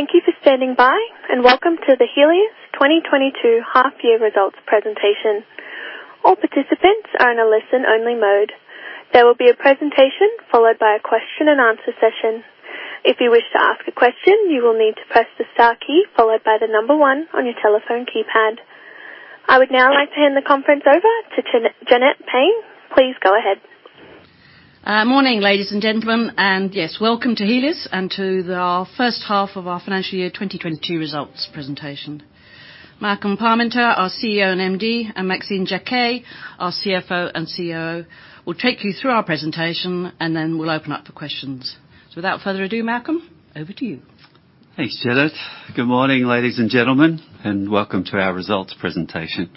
Thank you for standing by, and welcome to the Healius 2022 half year results presentation. All participants are in a listen only mode. There will be a presentation followed by a question and answer session. If you wish to ask a question, you will need to press the star key followed by the number one on your telephone keypad. I would now like to hand the conference over to Janet Payne. Please go ahead. Morning, ladies and gentlemen, and yes, welcome to Healius and to our first half of our financial year 2022 results presentation. Malcolm Parmenter, our CEO and MD, and Maxine Jaquet, our CFO and COO, will take you through our presentation, and then we'll open up for questions. Without further ado, Malcolm, over to you. Thanks, Janette. Good morning, ladies and gentlemen, and welcome to our results presentation.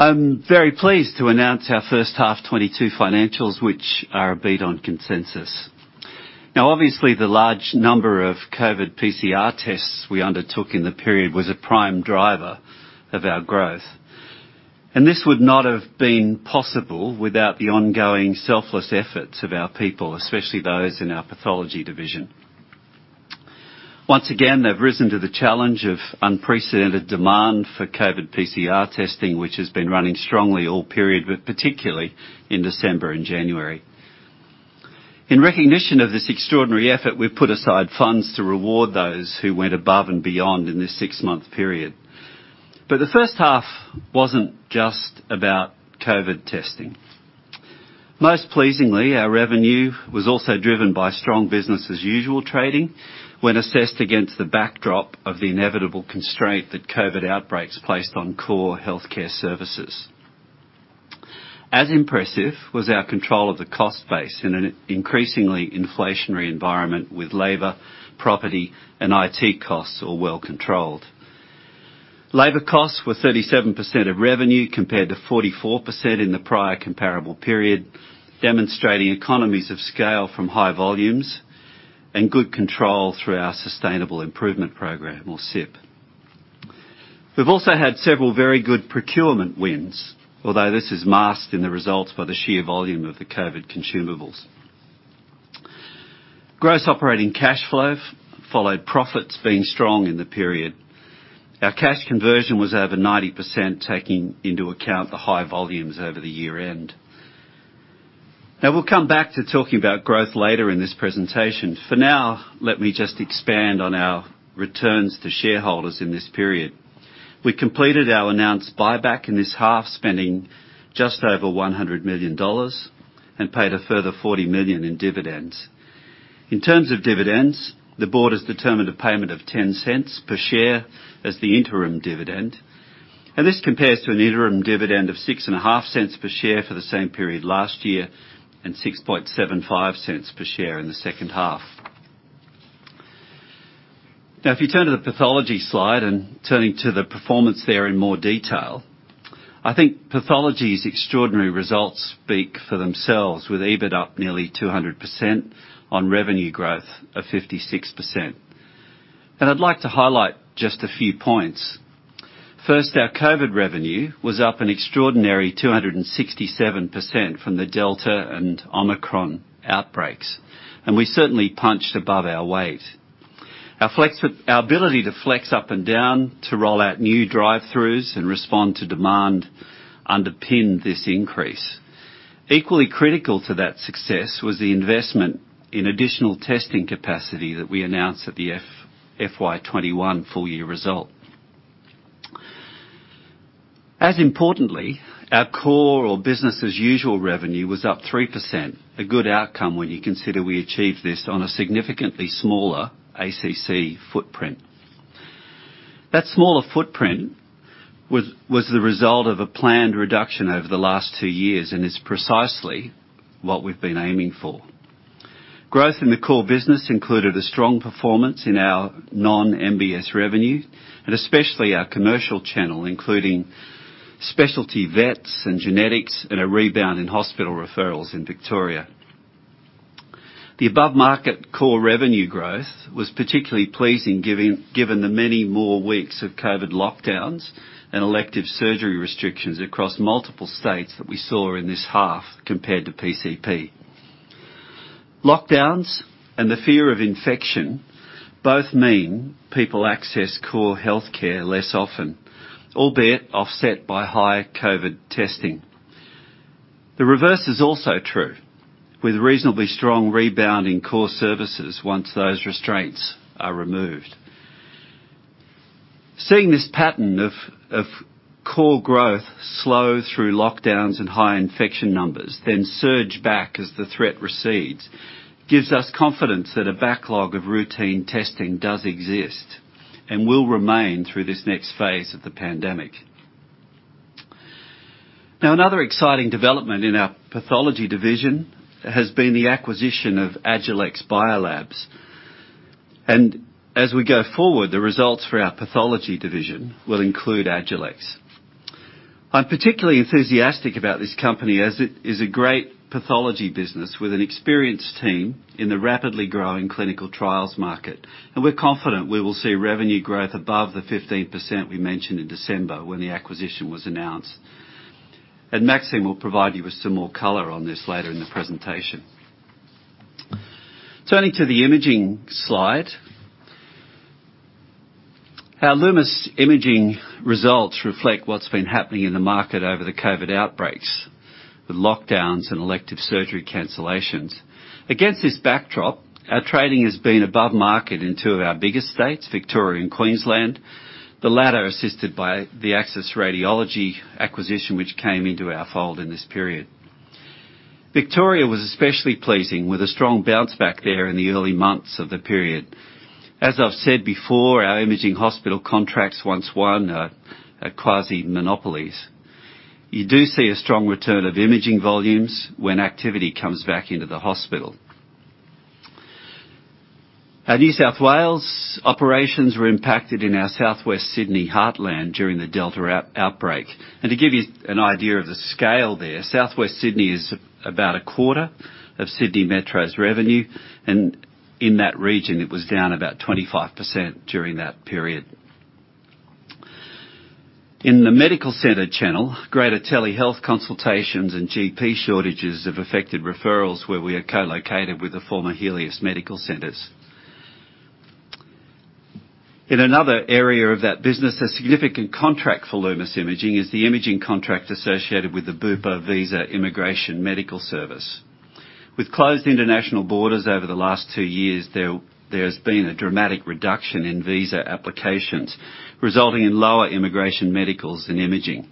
I'm very pleased to announce our first half 2022 financials, which are a beat on consensus. Now, obviously, the large number of COVID PCR tests we undertook in the period was a prime driver of our growth, and this would not have been possible without the ongoing selfless efforts of our people, especially those in our pathology division. Once again, they've risen to the challenge of unprecedented demand for COVID PCR testing, which has been running strongly all period, but particularly in December and January. In recognition of this extraordinary effort, we've put aside funds to reward those who went above and beyond in this six-month period. The first half wasn't just about COVID testing. Most pleasingly, our revenue was also driven by strong business as usual trading when assessed against the backdrop of the inevitable constraint that COVID outbreaks placed on core healthcare services. As impressive was our control of the cost base in an increasingly inflationary environment with labor, property and IT costs all well controlled. Labor costs were 37% of revenue compared to 44% in the prior comparable period, demonstrating economies of scale from high volumes and good control through our Sustainable Improvement Program or SIP. We've also had several very good procurement wins, although this is masked in the results by the sheer volume of the COVID consumables. Gross operating cash flow followed profits being strong in the period. Our cash conversion was over 90%, taking into account the high volumes over the year-end. Now, we'll come back to talking about growth later in this presentation. For now, let me just expand on our returns to shareholders in this period. We completed our announced buyback in this half, spending just over 100 million dollars and paid a further 40 million in dividends. In terms of dividends, the board has determined a payment of 0.10 per share as the interim dividend, and this compares to an interim dividend of 0.065 per share for the same period last year and 0.0675 per share in the second half. Now, if you turn to the Pathology slide and turning to the performance there in more detail, I think Pathology's extraordinary results speak for themselves with EBIT up nearly 200% on revenue growth of 56%. I'd like to highlight just a few points. First, our COVID revenue was up an extraordinary 267% from the Delta and Omicron outbreaks, and we certainly punched above our weight. Our ability to flex up and down to roll out new drive-throughs and respond to demand underpinned this increase. Equally critical to that success was the investment in additional testing capacity that we announced at the FY 2021 full year result. As importantly, our core or business as usual revenue was up 3%, a good outcome when you consider we achieved this on a significantly smaller ACC footprint. That smaller footprint was the result of a planned reduction over the last two years and is precisely what we've been aiming for. Growth in the core business included a strong performance in our non-MBS revenue and especially our commercial channel, including specialty tests and genetics, and a rebound in hospital referrals in Victoria. The above market core revenue growth was particularly pleasing, given the many more weeks of COVID lockdowns and elective surgery restrictions across multiple states that we saw in this half compared to PCP. Lockdowns and the fear of infection both mean people access core healthcare less often, albeit offset by higher COVID testing. The reverse is also true with reasonably strong rebound in core services once those restraints are removed. Seeing this pattern of core growth slow through lockdowns and high infection numbers, then surge back as the threat recedes, gives us confidence that a backlog of routine testing does exist and will remain through this next phase of the pandemic. Now, another exciting development in our pathology division has been the acquisition of Agilex Biolabs. As we go forward, the results for our pathology division will include Agilex. I'm particularly enthusiastic about this company as it is a great pathology business with an experienced team in the rapidly growing clinical trials market. We're confident we will see revenue growth above the 15% we mentioned in December when the acquisition was announced. Maxine will provide you with some more color on this later in the presentation. Turning to the imaging slide. Our Lumus Imaging results reflect what's been happening in the market over the COVID outbreaks, the lockdowns, and elective surgery cancellations. Against this backdrop, our trading has been above market in two of our biggest states, Victoria and Queensland, the latter assisted by the Axis Radiology acquisition, which came into our fold in this period. Victoria was especially pleasing with a strong bounce back there in the early months of the period. As I've said before, our imaging hospital contracts, once won, are quasi monopolies. You do see a strong return of imaging volumes when activity comes back into the hospital. Our New South Wales operations were impacted in our Southwest Sydney heartland during the Delta outbreak. To give you an idea of the scale there, Southwest Sydney is about a quarter of Sydney Metro's revenue, and in that region, it was down about 25% during that period. In the medical center channel, greater telehealth consultations and GP shortages have affected referrals where we are co-located with the former Healius medical centers. In another area of that business, a significant contract for Lumus Imaging is the imaging contract associated with the Bupa visa immigration medical service. With closed international borders over the last two years, there has been a dramatic reduction in visa applications, resulting in lower immigration medicals and imaging.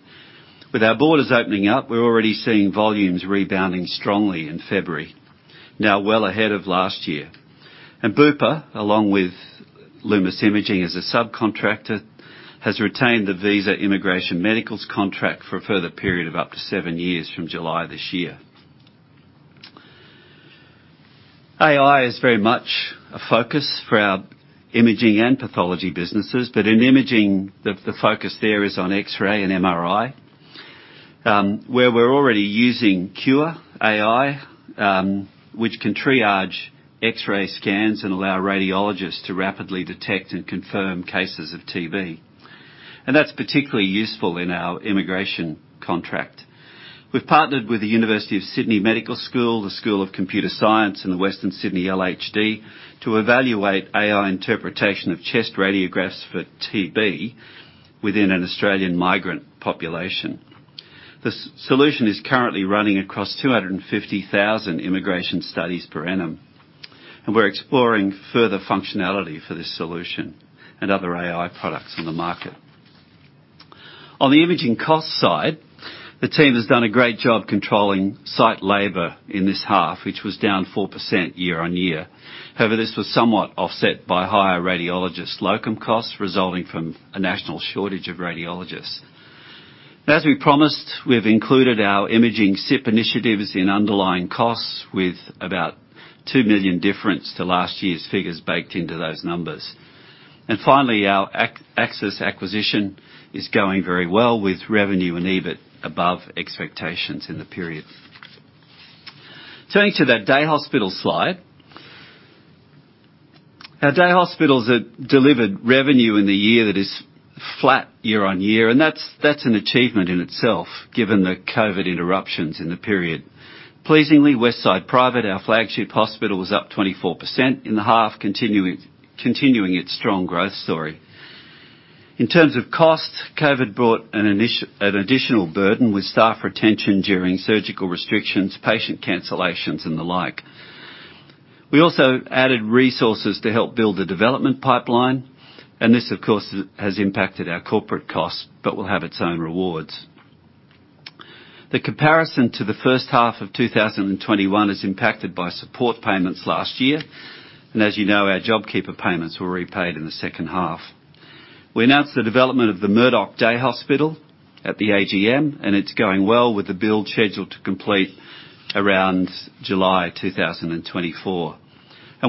With our borders opening up, we're already seeing volumes rebounding strongly in February, now well ahead of last year. Bupa, along with Lumus Imaging, as a subcontractor, has retained the visa immigration medicals contract for a further period of up to seven years from July this year. AI is very much a focus for our imaging and pathology businesses. But in imaging, the focus there is on X-ray and MRI, where we're already using Qure.ai, which can triage X-ray scans and allow radiologists to rapidly detect and confirm cases of TB. That's particularly useful in our immigration contract. We've partnered with the Sydney Medical School, the School of Computer Science, University of Sydney, and the Western Sydney Local Health District to evaluate AI interpretation of chest radiographs for TB within an Australian migrant population. The solution is currently running across 250,000 immigration studies per annum, and we're exploring further functionality for this solution and other AI products on the market. On the imaging cost side, the team has done a great job controlling site labor in this half, which was down 4% year-on-year. However, this was somewhat offset by higher radiologist locum costs resulting from a national shortage of radiologists. As we promised, we've included our imaging SIP initiatives in underlying costs with about 2 million difference to last year's figures baked into those numbers. Finally, our Axis acquisition is going very well with revenue and EBIT above expectations in the period. Turning to that day hospital slide. Our day hospitals have delivered revenue in the year that is flat year on year, and that's an achievement in itself, given the COVID interruptions in the period. Pleasingly, Westside Private, our flagship hospital, was up 24% in the half continuing its strong growth story. In terms of cost, COVID brought an additional burden with staff retention during surgical restrictions, patient cancellations, and the like. We also added resources to help build the development pipeline, and this, of course, has impacted our corporate costs but will have its own rewards. The comparison to the first half of 2021 is impacted by support payments last year, and as you know, our JobKeeper payments were repaid in the second half. We announced the development of the Murdoch Day Hospital at the AGM, and it's going well with the build scheduled to complete around July 2024.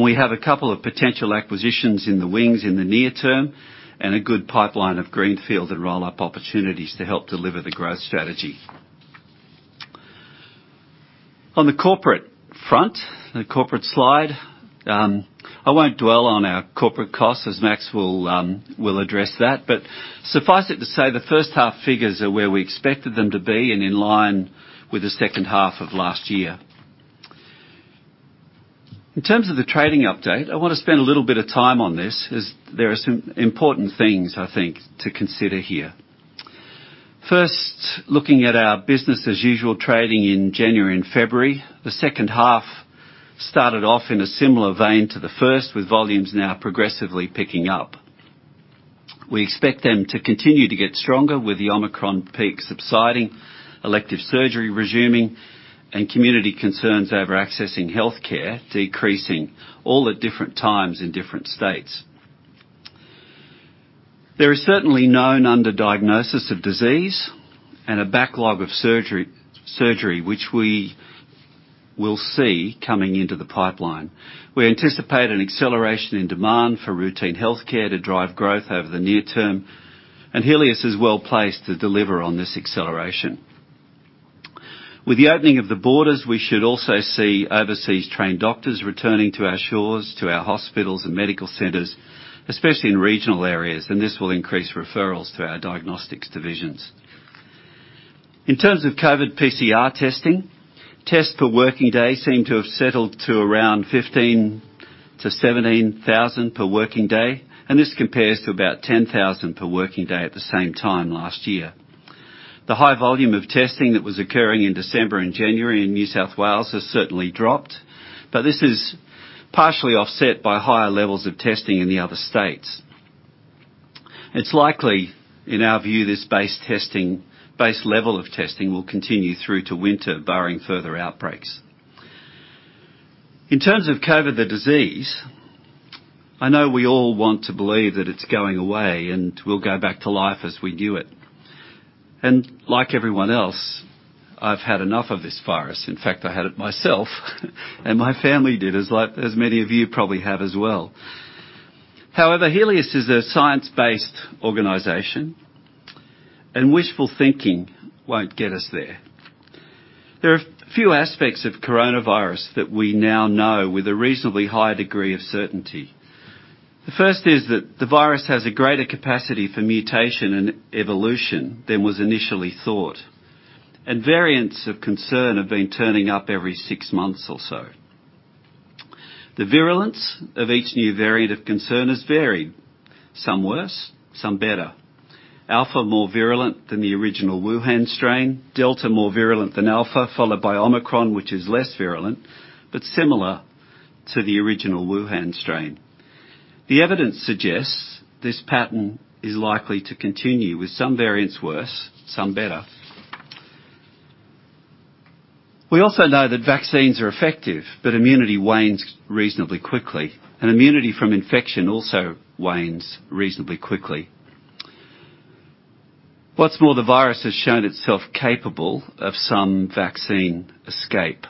We have a couple of potential acquisitions in the wings in the near term and a good pipeline of greenfield and roll-up opportunities to help deliver the growth strategy. On the corporate front, the corporate slide, I won't dwell on our corporate costs, as Max will address that. Suffice it to say, the first half figures are where we expected them to be and in line with the second half of last year. In terms of the trading update, I wanna spend a little bit of time on this, as there are some important things I think to consider here. First, looking at our business as usual trading in January and February. The second half started off in a similar vein to the first, with volumes now progressively picking up. We expect them to continue to get stronger with the Omicron peak subsiding, elective surgery resuming, and community concerns over accessing healthcare decreasing all at different times in different states. There is certainly known underdiagnosis of disease and a backlog of surgery which we will see coming into the pipeline. We anticipate an acceleration in demand for routine healthcare to drive growth over the near term, and Healius is well placed to deliver on this acceleration. With the opening of the borders, we should also see overseas trained doctors returning to our shores, to our hospitals and medical centers, especially in regional areas, and this will increase referrals to our diagnostics divisions. In terms of COVID PCR testing, tests per working day seem to have settled to around 15,000-17,000 per working day, and this compares to about 10,000 per working day at the same time last year. The high volume of testing that was occurring in December and January in New South Wales has certainly dropped, but this is partially offset by higher levels of testing in the other states. It's likely, in our view, this base testing, base level of testing, will continue through to winter, barring further outbreaks. In terms of COVID, the disease, I know we all want to believe that it's going away and we'll go back to life as we knew it. Like everyone else, I've had enough of this virus. In fact, I had it myself, and my family did, as like, as many of you probably have as well. However, Healius is a science-based organization and wishful thinking won't get us there. There are a few aspects of coronavirus that we now know with a reasonably high degree of certainty. The first is that the virus has a greater capacity for mutation and evolution than was initially thought, and variants of concern have been turning up every six months or so. The virulence of each new variant of concern is varied, some worse, some better. Alpha, more virulent than the original Wuhan strain, Delta more virulent than Alpha, followed by Omicron, which is less virulent but similar to the original Wuhan strain. The evidence suggests this pattern is likely to continue, with some variants worse, some better. We also know that vaccines are effective, but immunity wanes reasonably quickly, and immunity from infection also wanes reasonably quickly. What's more, the virus has shown itself capable of some vaccine escape.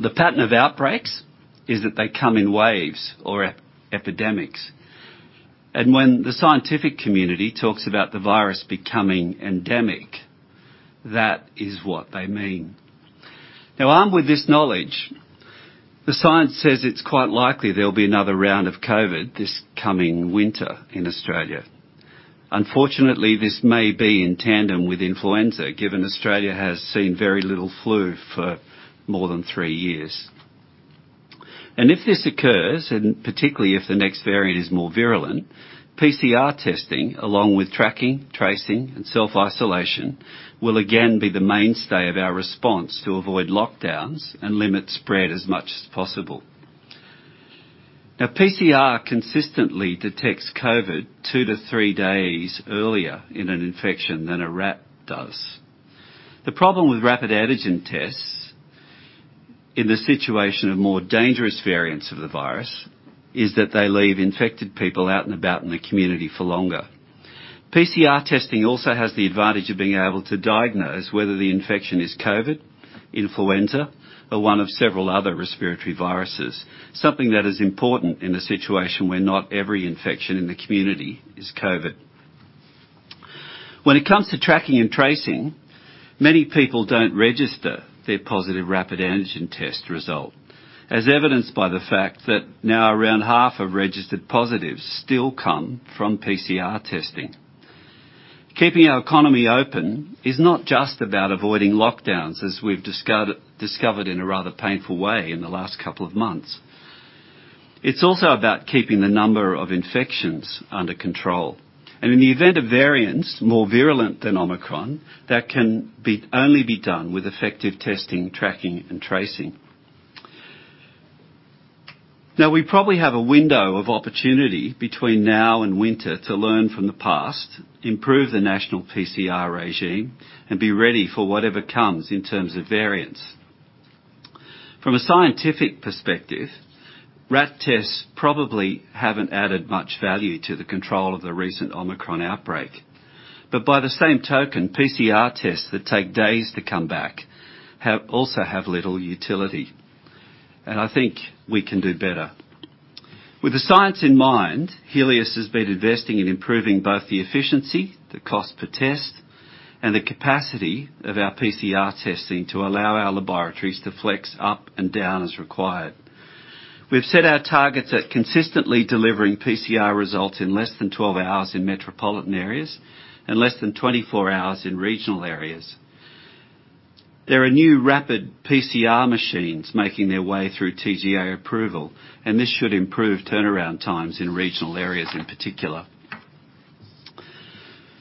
The pattern of outbreaks is that they come in waves or epidemics, and when the scientific community talks about the virus becoming endemic, that is what they mean. Now, armed with this knowledge, the science says it's quite likely there'll be another round of COVID this coming winter in Australia. Unfortunately, this may be in tandem with influenza, given Australia has seen very little flu for more than three years. If this occurs, and particularly if the next variant is more virulent, PCR testing, along with tracking, tracing, and self-isolation, will again be the mainstay of our response to avoid lockdowns and limit spread as much as possible. Now, PCR consistently detects COVID two to three days earlier in an infection than a RAT does. The problem with rapid antigen tests in the situation of more dangerous variants of the virus is that they leave infected people out and about in the community for longer. PCR testing also has the advantage of being able to diagnose whether the infection is COVID, influenza, or one of several other respiratory viruses, something that is important in a situation where not every infection in the community is COVID. When it comes to tracking and tracing, many people don't register their positive rapid antigen test result, as evidenced by the fact that now around half of registered positives still come from PCR testing. Keeping our economy open is not just about avoiding lockdowns, as we've discovered in a rather painful way in the last couple of months. It's also about keeping the number of infections under control. In the event of variants more virulent than Omicron, that can only be done with effective testing, tracking, and tracing. Now, we probably have a window of opportunity between now and winter to learn from the past, improve the national PCR regime, and be ready for whatever comes in terms of variants. From a scientific perspective, RAT tests probably haven't added much value to the control of the recent Omicron outbreak. By the same token, PCR tests that take days to come back have also little utility, and I think we can do better. With the science in mind, Healius has been investing in improving both the efficiency, the cost per test, and the capacity of our PCR testing to allow our laboratories to flex up and down as required. We've set our targets at consistently delivering PCR results in less than 12 hours in metropolitan areas and less than 24 hours in regional areas. There are new rapid PCR machines making their way through TGA approval, and this should improve turnaround times in regional areas in particular.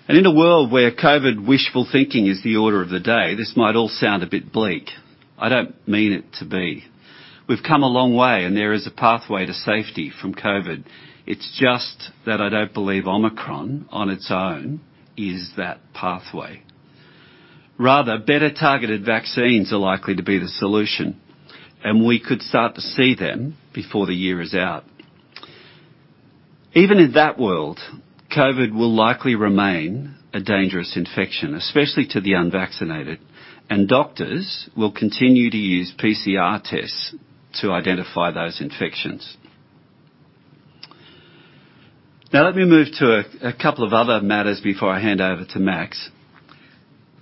In a world where COVID wishful thinking is the order of the day, this might all sound a bit bleak. I don't mean it to be. We've come a long way and there is a pathway to safety from COVID. It's just that I don't believe Omicron on its own is that pathway. Rather, better targeted vaccines are likely to be the solution, and we could start to see them before the year is out. Even in that world, COVID will likely remain a dangerous infection, especially to the unvaccinated, and doctors will continue to use PCR tests to identify those infections. Now let me move to a couple of other matters before I hand over to Max.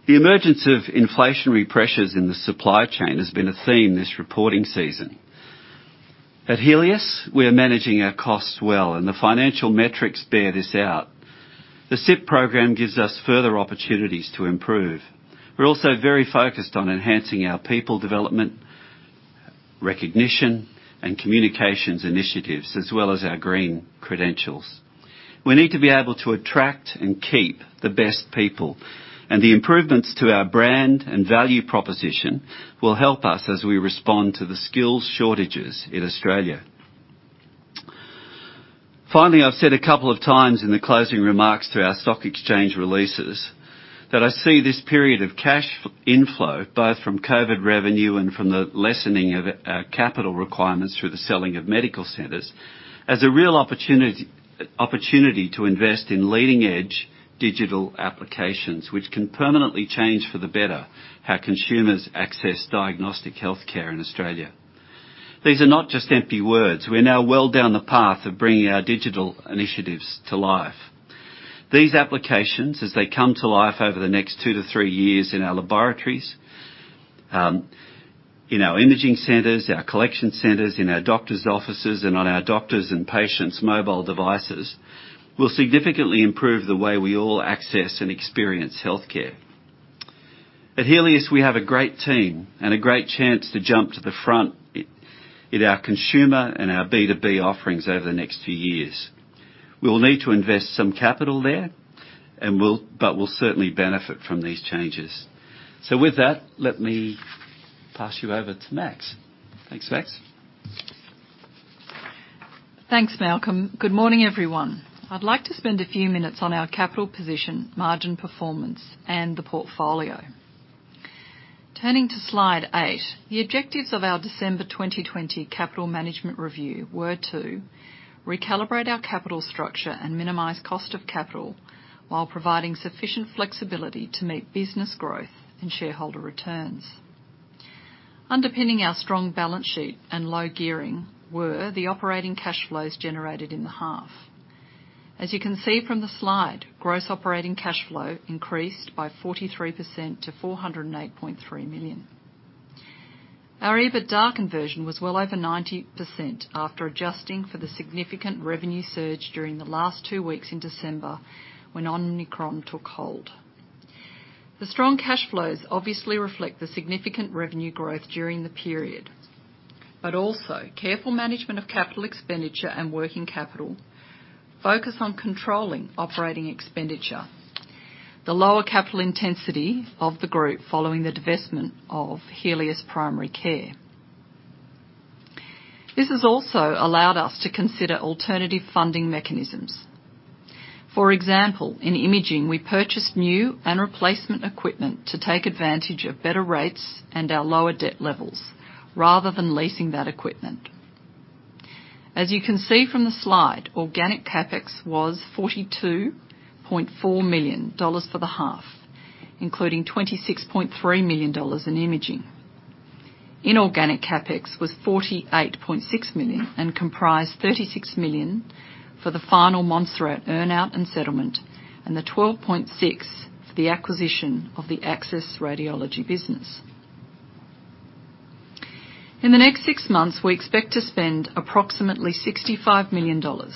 The emergence of inflationary pressures in the supply chain has been a theme this reporting season. At Healius, we are managing our costs well, and the financial metrics bear this out. The SIP program gives us further opportunities to improve. We're also very focused on enhancing our people development, recognition, and communications initiatives, as well as our green credentials. We need to be able to attract and keep the best people, and the improvements to our brand and value proposition will help us as we respond to the skills shortages in Australia. Finally, I've said a couple of times in the closing remarks to our stock exchange releases, that I see this period of cash inflow, both from COVID revenue and from the lessening of capital requirements through the selling of medical centers, as a real opportunity to invest in leading-edge digital applications, which can permanently change for the better how consumers access diagnostic healthcare in Australia. These are not just empty words. We are now well down the path of bringing our digital initiatives to life. These applications, as they come to life over the next two to three years in our laboratories, in our imaging centers, our collection centers, in our doctors' offices, and on our doctors' and patients' mobile devices, will significantly improve the way we all access and experience healthcare. At Healius, we have a great team and a great chance to jump to the front in our consumer and our B2B offerings over the next few years. We will need to invest some capital there, but we'll certainly benefit from these changes. With that, let me pass you over to Max. Thanks, Max. Thanks, Malcolm. Good morning, everyone. I'd like to spend a few minutes on our capital position, margin performance, and the portfolio. Turning to slide eight, the objectives of our December 2020 capital management review were to recalibrate our capital structure and minimize cost of capital while providing sufficient flexibility to meet business growth and shareholder returns. Underpinning our strong balance sheet and low gearing were the operating cash flows generated in the half. As you can see from the slide, gross operating cash flow increased by 43% to 409.3 million. Our EBITDA conversion was well over 90% after adjusting for the significant revenue surge during the last two weeks in December when Omicron took hold. The strong cash flows obviously reflect the significant revenue growth during the period, but also careful management of capital expenditure and working capital, focus on controlling operating expenditure, the lower capital intensity of the group following the divestment of Healius Primary Care. This has also allowed us to consider alternative funding mechanisms. For example, in imaging, we purchased new and replacement equipment to take advantage of better rates and our lower debt levels rather than leasing that equipment. As you can see from the slide, organic CapEx was 42.4 million dollars for the half, including 26.3 million dollars in imaging. Inorganic CapEx was 48.6 million, and comprised 36 million for the final Montserrat earn-out and settlement, and the 12.6 million for the acquisition of the Axis Radiology business. In the next six months, we expect to spend approximately 65 million dollars.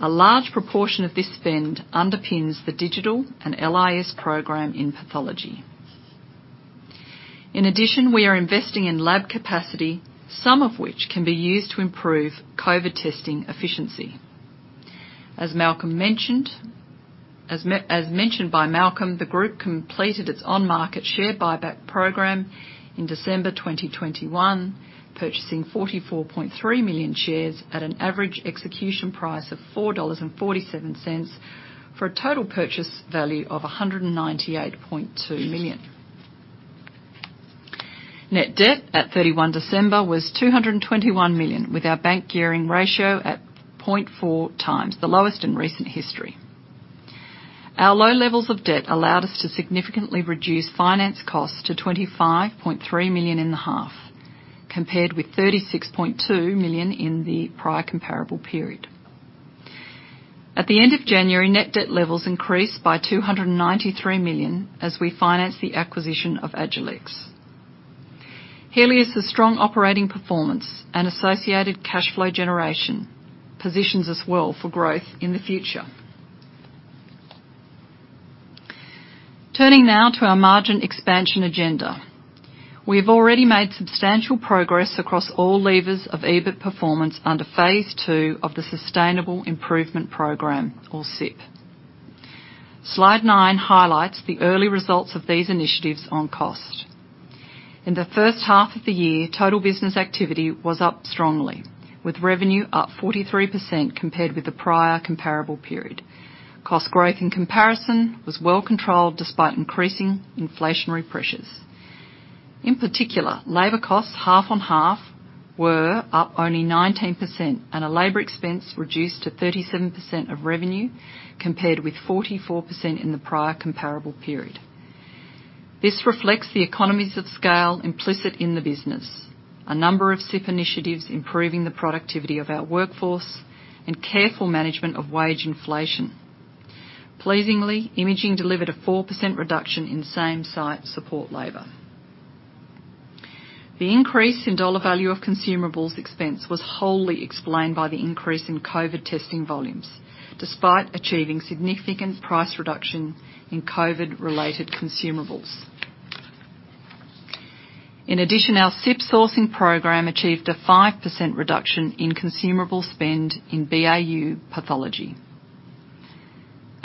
A large proportion of this spend underpins the digital and LIS program in pathology. In addition, we are investing in lab capacity, some of which can be used to improve COVID testing efficiency. As mentioned by Malcolm, the group completed its on-market share buyback program in December 2021, purchasing 44.3 million shares at an average execution price of 4.47 dollars for a total purchase value of 198.2 million. Net debt at December 31 was 221 million, with our bank gearing ratio at 0.4x, the lowest in recent history. Our low levels of debt allowed us to significantly reduce finance costs to 25.3 million in the half, compared with 36.2 million in the prior comparable period. At the end of January, net debt levels increased by 293 million as we financed the acquisition of Agilex. Healius' strong operating performance and associated cash flow generation positions us well for growth in the future. Turning now to our margin expansion agenda. We have already made substantial progress across all levers of EBIT performance under phase two of the Sustainable Improvement Program, or SIP. Slide nine highlights the early results of these initiatives on cost. In the first half of the year, total business activity was up strongly, with revenue up 43% compared with the prior comparable period. Cost growth, in comparison, was well controlled despite increasing inflationary pressures. In particular, labor costs half-on-half were up only 19%, and labor expense reduced to 37% of revenue, compared with 44% in the prior comparable period. This reflects the economies of scale implicit in the business, a number of SIP initiatives improving the productivity of our workforce, and careful management of wage inflation. Pleasingly, imaging delivered a 4% reduction in same-site support labor. The increase in dollar value of consumables expense was wholly explained by the increase in COVID testing volumes, despite achieving significant price reduction in COVID-related consumables. In addition, our SIP sourcing program achieved a 5% reduction in consumable spend in BAU pathology.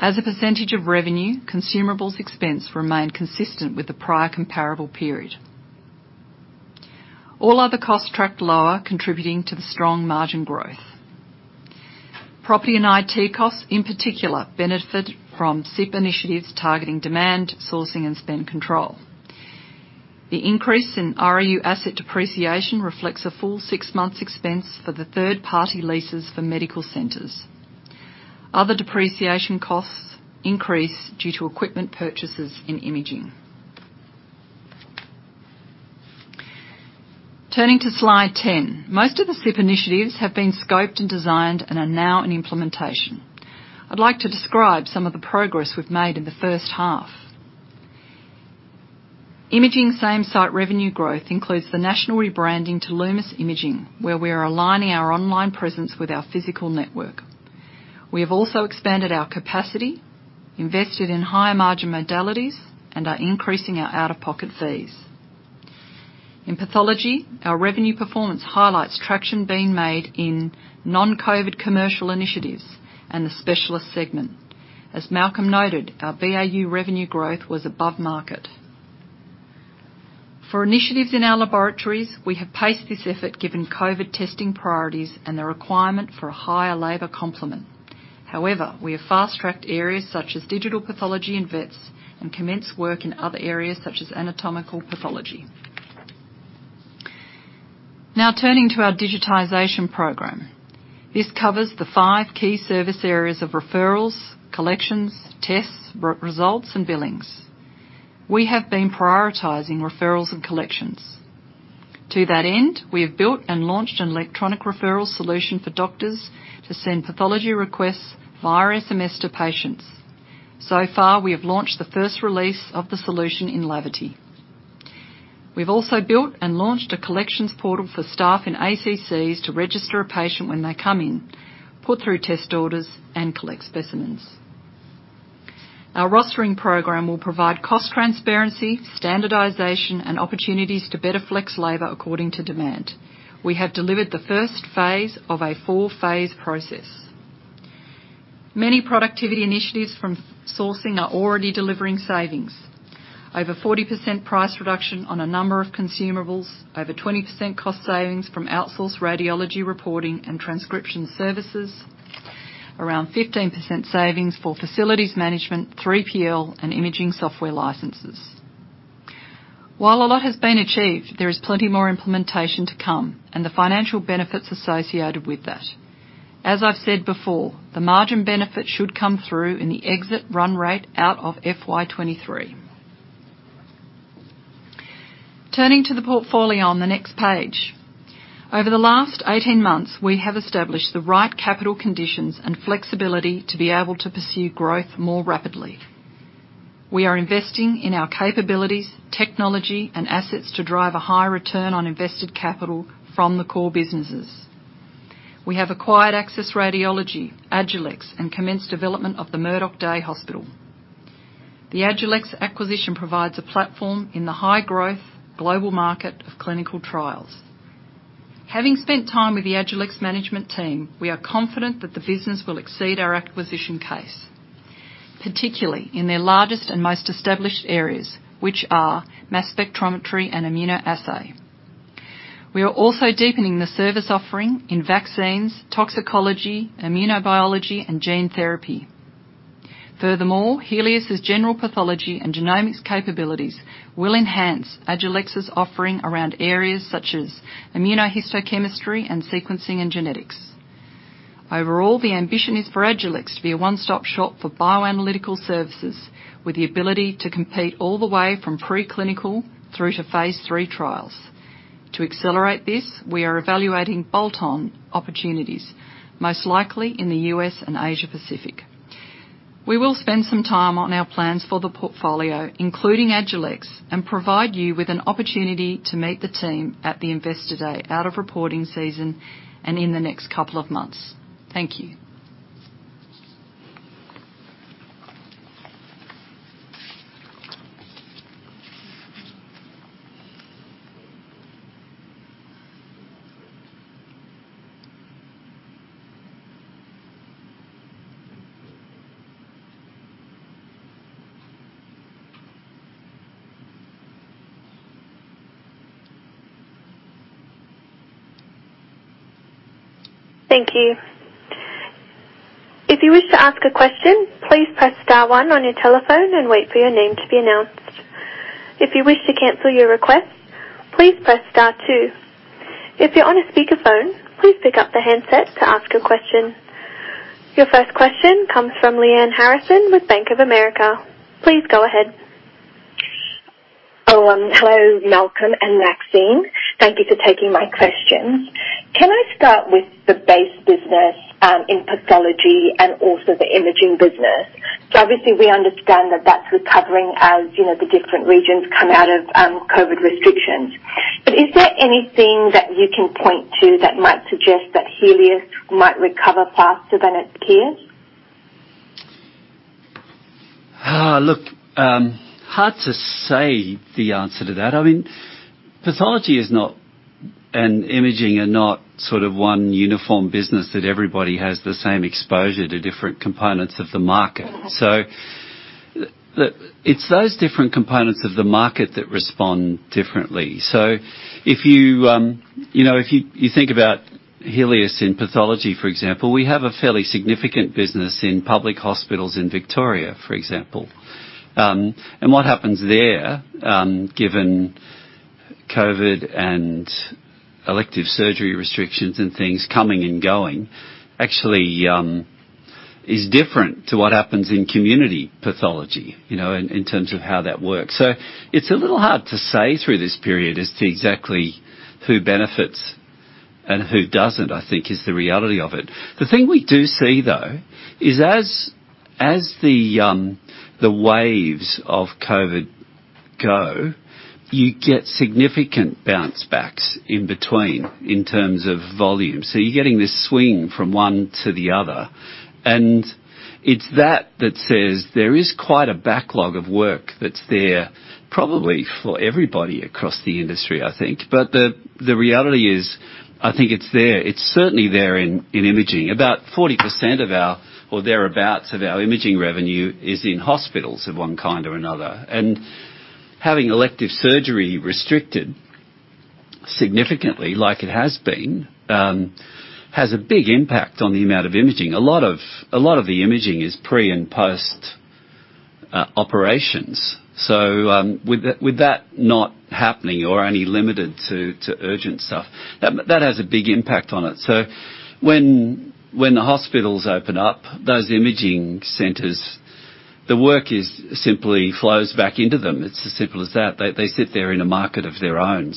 As a percentage of revenue, consumables expense remained consistent with the prior comparable period. All other costs tracked lower, contributing to the strong margin growth. Property and IT costs, in particular, benefited from SIP initiatives targeting demand, sourcing, and spend control. The increase in ROU asset depreciation reflects a full six months expense for the third-party leases for medical centers. Other depreciation costs increased due to equipment purchases in imaging. Turning to slide 10. Most of the SIP initiatives have been scoped and designed and are now in implementation. I'd like to describe some of the progress we've made in the first half. Imaging same-site revenue growth includes the national rebranding to Lumus Imaging, where we are aligning our online presence with our physical network. We have also expanded our capacity, invested in higher margin modalities, and are increasing our out-of-pocket fees. In pathology, our revenue performance highlights traction being made in non-COVID commercial initiatives and the specialist segment. As Malcolm noted, our BAU revenue growth was above market. For initiatives in our laboratories, we have paced this effort given COVID testing priorities and the requirement for a higher labor complement. However, we have fast-tracked areas such as digital pathology and vets and commenced work in other areas such as anatomical pathology. Now turning to our digitization program. This covers the five key service areas of referrals, collections, tests, re-results, and billings. We have been prioritizing referrals and collections. To that end, we have built and launched an electronic referral solution for doctors to send pathology requests via SMS to patients. So far, we have launched the first release of the solution in Laverty. We've also built and launched a collections portal for staff in ACCs to register a patient when they come in, put through test orders, and collect specimens. Our rostering program will provide cost transparency, standardization, and opportunities to better flex labor according to demand. We have delivered the first phase of a four-phase process. Many productivity initiatives from sourcing are already delivering savings. Over 40% price reduction on a number of consumables, over 20% cost savings from outsourced radiology reporting and transcription services, around 15% savings for facilities management, 3PL, and imaging software licenses. While a lot has been achieved, there is plenty more implementation to come and the financial benefits associated with that. As I've said before, the margin benefit should come through in the exit run rate out of FY 2023. Turning to the portfolio on the next page. Over the last 18 months, we have established the right capital conditions and flexibility to be able to pursue growth more rapidly. We are investing in our capabilities, technology, and assets to drive a higher return on invested capital from the core businesses. We have acquired Axis Radiology, Agilex, and commenced development of the Murdoch Drive Hospital. The Agilex acquisition provides a platform in the high-growth global market of clinical trials. Having spent time with the Agilex management team, we are confident that the business will exceed our acquisition case, particularly in their largest and most established areas, which are mass spectrometry and immunoassay. We are also deepening the service offering in vaccines, toxicology, immunobiology, and gene therapy. Furthermore, Healius' general pathology and genomics capabilities will enhance Agilex's offering around areas such as immunohistochemistry and sequencing and genetics. Overall, the ambition is for Agilex to be a one-stop shop for bioanalytical services with the ability to compete all the way from pre-clinical through to phase III trials. To accelerate this, we are evaluating bolt-on opportunities, most likely in the U.S. and Asia Pacific. We will spend some time on our plans for the portfolio, including Agilex, and provide you with an opportunity to meet the team at the Investor Day out of reporting season and in the next couple of months. Thank you. Thank you. If you wish to ask a question, please press star one on your telephone and wait for your name to be announced. If you wish to cancel your request, please press star two. If you're on a speakerphone, please pick up the handset to ask a question. Your first question comes from Lyanne Harrison with Bank of America. Please go ahead. Oh, hello, Malcolm and Maxine. Thank you for taking my questions. Can I start with the base business in pathology and also the imaging business? Obviously we understand that that's recovering as, you know, the different regions come out of COVID restrictions. Is there anything that you can point to that might suggest that Healius might recover faster than its peers? Look, hard to say the answer to that. I mean, pathology is not, and imaging are not sort of one uniform business that everybody has the same exposure to different components of the market. Mm-hmm. It's those different components of the market that respond differently. If you think about Healius in pathology, for example, you know, we have a fairly significant business in public hospitals in Victoria, for example. What happens there, given COVID and elective surgery restrictions and things coming and going, actually, is different to what happens in community pathology, you know, in terms of how that works. It's a little hard to say through this period as to exactly who benefits and who doesn't, I think is the reality of it. The thing we do see, though, is as the waves of COVID go, you get significant bounce backs in between in terms of volume. You're getting this swing from one to the other, and it's that that says there is quite a backlog of work that's there probably for everybody across the industry, I think. The reality is, I think it's there. It's certainly there in imaging. About 40% or thereabouts of our imaging revenue is in hospitals of one kind or another. Having elective surgery restricted significantly like it has been has a big impact on the amount of imaging. A lot of the imaging is pre- and post- operations. With that not happening or only limited to urgent stuff, that has a big impact on it. When the hospitals open up those imaging centers, the work simply flows back into them. It's as simple as that. They sit there in a market of their own.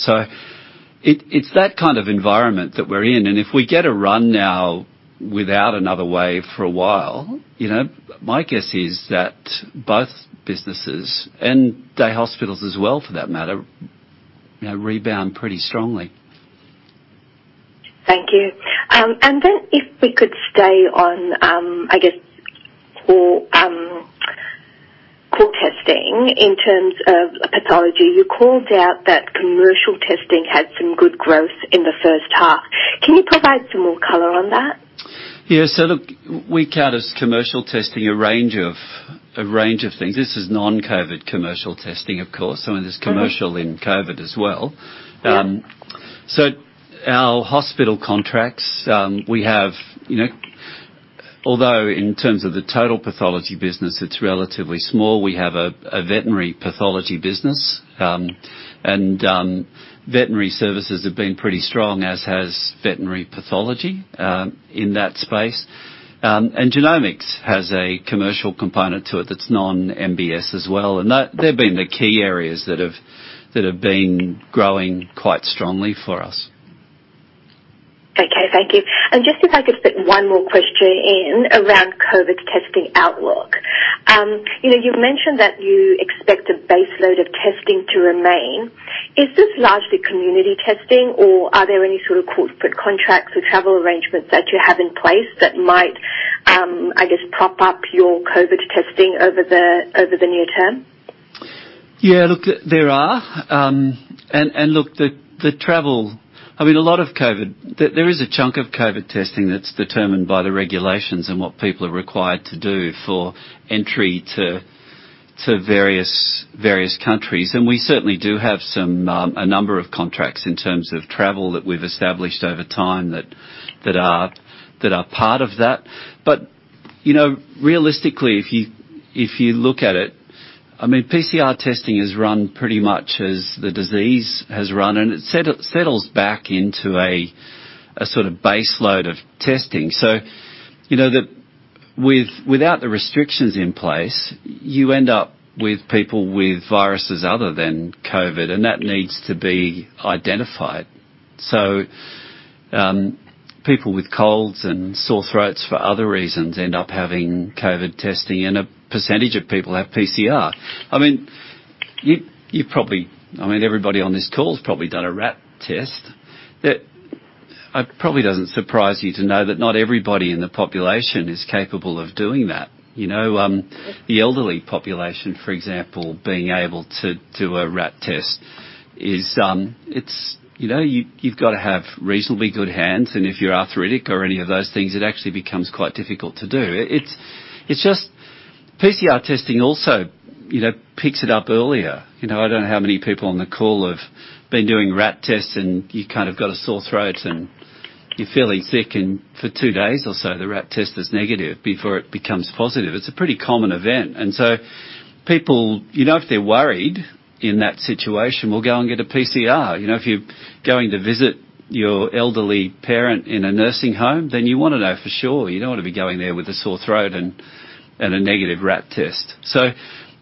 It's that kind of environment that we're in. If we get a run now without another wave for a while, you know, my guess is that both businesses and day hospitals as well, for that matter, you know, rebound pretty strongly. Thank you. If we could stay on, I guess for core testing in terms of pathology, you called out that commercial testing had some good growth in the first half. Can you provide some more color on that? Yeah. Look, we count as commercial testing a range of things. This is non-COVID commercial testing, of course. I mean, there's commercial- Mm-hmm. ...in COVID as well. Our hospital contracts, we have, you know, although in terms of the total pathology business it's relatively small, we have a veterinary pathology business, and veterinary services have been pretty strong, as has veterinary pathology, in that space. Genomics has a commercial component to it that's non-MBS as well. That, they've been the key areas that have been growing quite strongly for us. Okay. Thank you. Just if I could fit one more question in around COVID testing outlook. You know, you've mentioned that you expect a base load of testing to remain. Is this largely community testing or are there any sort of corporate contracts or travel arrangements that you have in place that might, I guess, prop up your COVID testing over the near term? Yeah, look, the travel, I mean, a lot of COVID. There is a chunk of COVID testing that's determined by the regulations and what people are required to do for entry to various countries. We certainly do have a number of contracts in terms of travel that we've established over time that are part of that. You know, realistically, if you look at it, I mean, PCR testing is run pretty much as the disease has run, and it settles back into a sort of base load of testing. You know, without the restrictions in place, you end up with people with viruses other than COVID, and that needs to be identified. People with colds and sore throats for other reasons end up having COVID testing, and a percentage of people have PCR. I mean, you've probably, I mean, everybody on this call has probably done a RAT test, that, probably doesn't surprise you to know that not everybody in the population is capable of doing that. You know, the elderly population, for example, being able to do a RAT test is, it's, you know, you've gotta have reasonably good hands, and if you're arthritic or any of those things, it actually becomes quite difficult to do. It's, it's just PCR testing also, you know, picks it up earlier. You know, I don't know how many people on the call have been doing RAT tests and you kind of got a sore throat and you're feeling sick and for two days or so the RAT test is negative before it becomes positive. It's a pretty common event. People, you know, if they're worried in that situation, will go and get a PCR. You know, if you're going to visit your elderly parent in a nursing home, then you wanna know for sure. You don't wanna be going there with a sore throat and. A negative RAT test.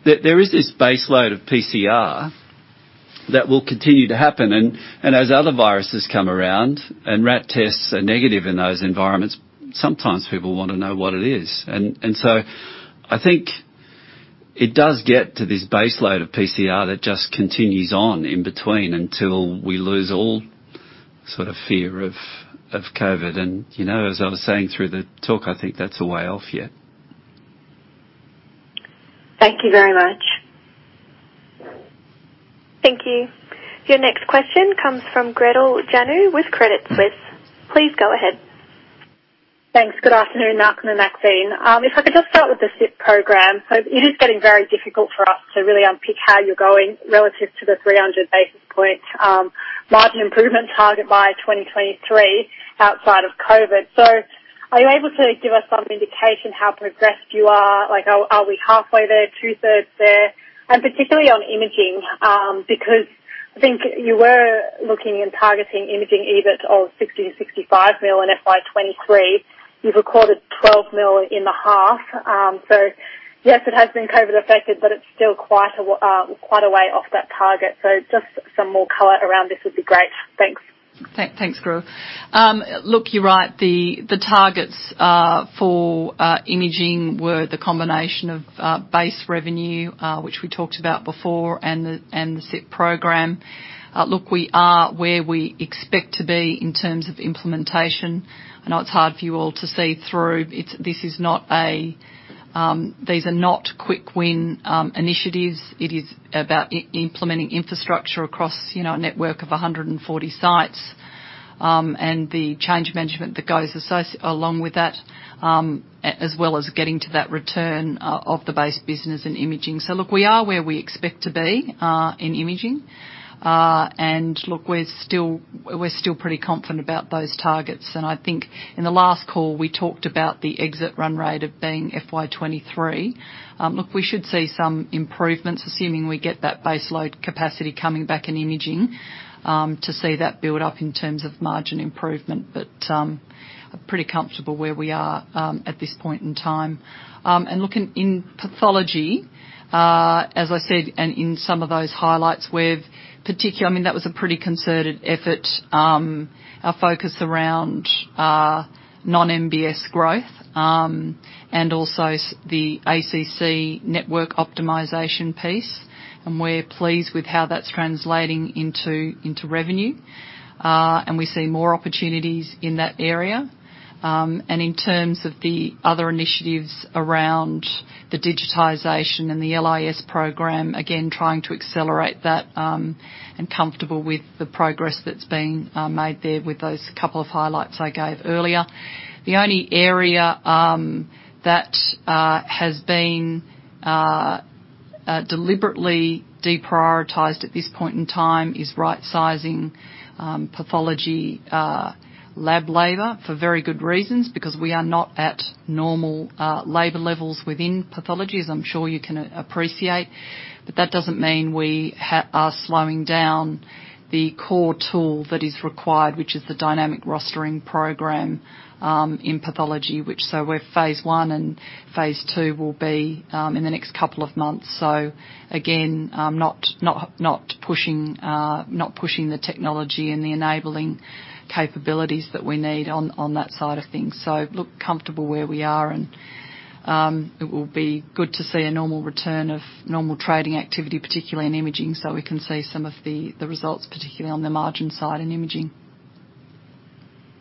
There is this base load of PCR that will continue to happen. As other viruses come around and RAT tests are negative in those environments, sometimes people want to know what it is. I think it does get to this base load of PCR that just continues on in between until we lose all sort of fear of COVID. You know, as I was saying through the talk, I think that's a way off yet. Thank you very much. Thank you. Your next question comes from Gretel Janu with Credit Suisse. Please go ahead. Thanks. Good afternoon, Malcolm and Maxine. If I could just start with the SIP program. It is getting very difficult for us to really unpick how you're going relative to the 300 basis points margin improvement target by 2023 outside of COVID. Are you able to give us some indication how progressed you are? Like, are we halfway there, 2/3 there? And particularly on imaging, because I think you were looking and targeting imaging EBIT of 60 million-65 million in FY 2023. You've recorded 12 million in the half. Yes, it has been COVID affected, but it's still quite a way off that target. Just some more color around this would be great. Thanks. Thanks, Gretel. Look, you're right. The targets for imaging were the combination of base revenue, which we talked about before, and the SIP program. Look, we are where we expect to be in terms of implementation. I know it's hard for you all to see through. These are not quick-win initiatives. It is about implementing infrastructure across, you know, a network of 140 sites, and the change management that goes along with that, as well as getting to that return of the base business in imaging. Look, we are where we expect to be in imaging. Look, we're still pretty confident about those targets. I think in the last call, we talked about the exit run rate of being FY 2023. Look, we should see some improvements, assuming we get that base load capacity coming back in imaging, to see that build up in terms of margin improvement. Pretty comfortable where we are, at this point in time. Look, in pathology, as I said, and in some of those highlights, I mean, that was a pretty concerted effort, our focus around non-MBS growth, and also the ACC network optimization piece, and we're pleased with how that's translating into revenue. We see more opportunities in that area. In terms of the other initiatives around the digitization and the LIS program, again, trying to accelerate that, and comfortable with the progress that's been made there with those couple of highlights I gave earlier. The only area that has been deliberately deprioritized at this point in time is rightsizing pathology lab labor for very good reasons, because we are not at normal labor levels within pathology, as I'm sure you can appreciate. That doesn't mean we are slowing down the core tool that is required, which is the dynamic rostering program in pathology, which so we're phase I and phase II will be in the next couple of months. Again, not pushing the technology and the enabling capabilities that we need on that side of things. Look, comfortable where we are, and it will be good to see a normal return of normal trading activity, particularly in imaging, so we can see some of the results, particularly on the margin side in imaging.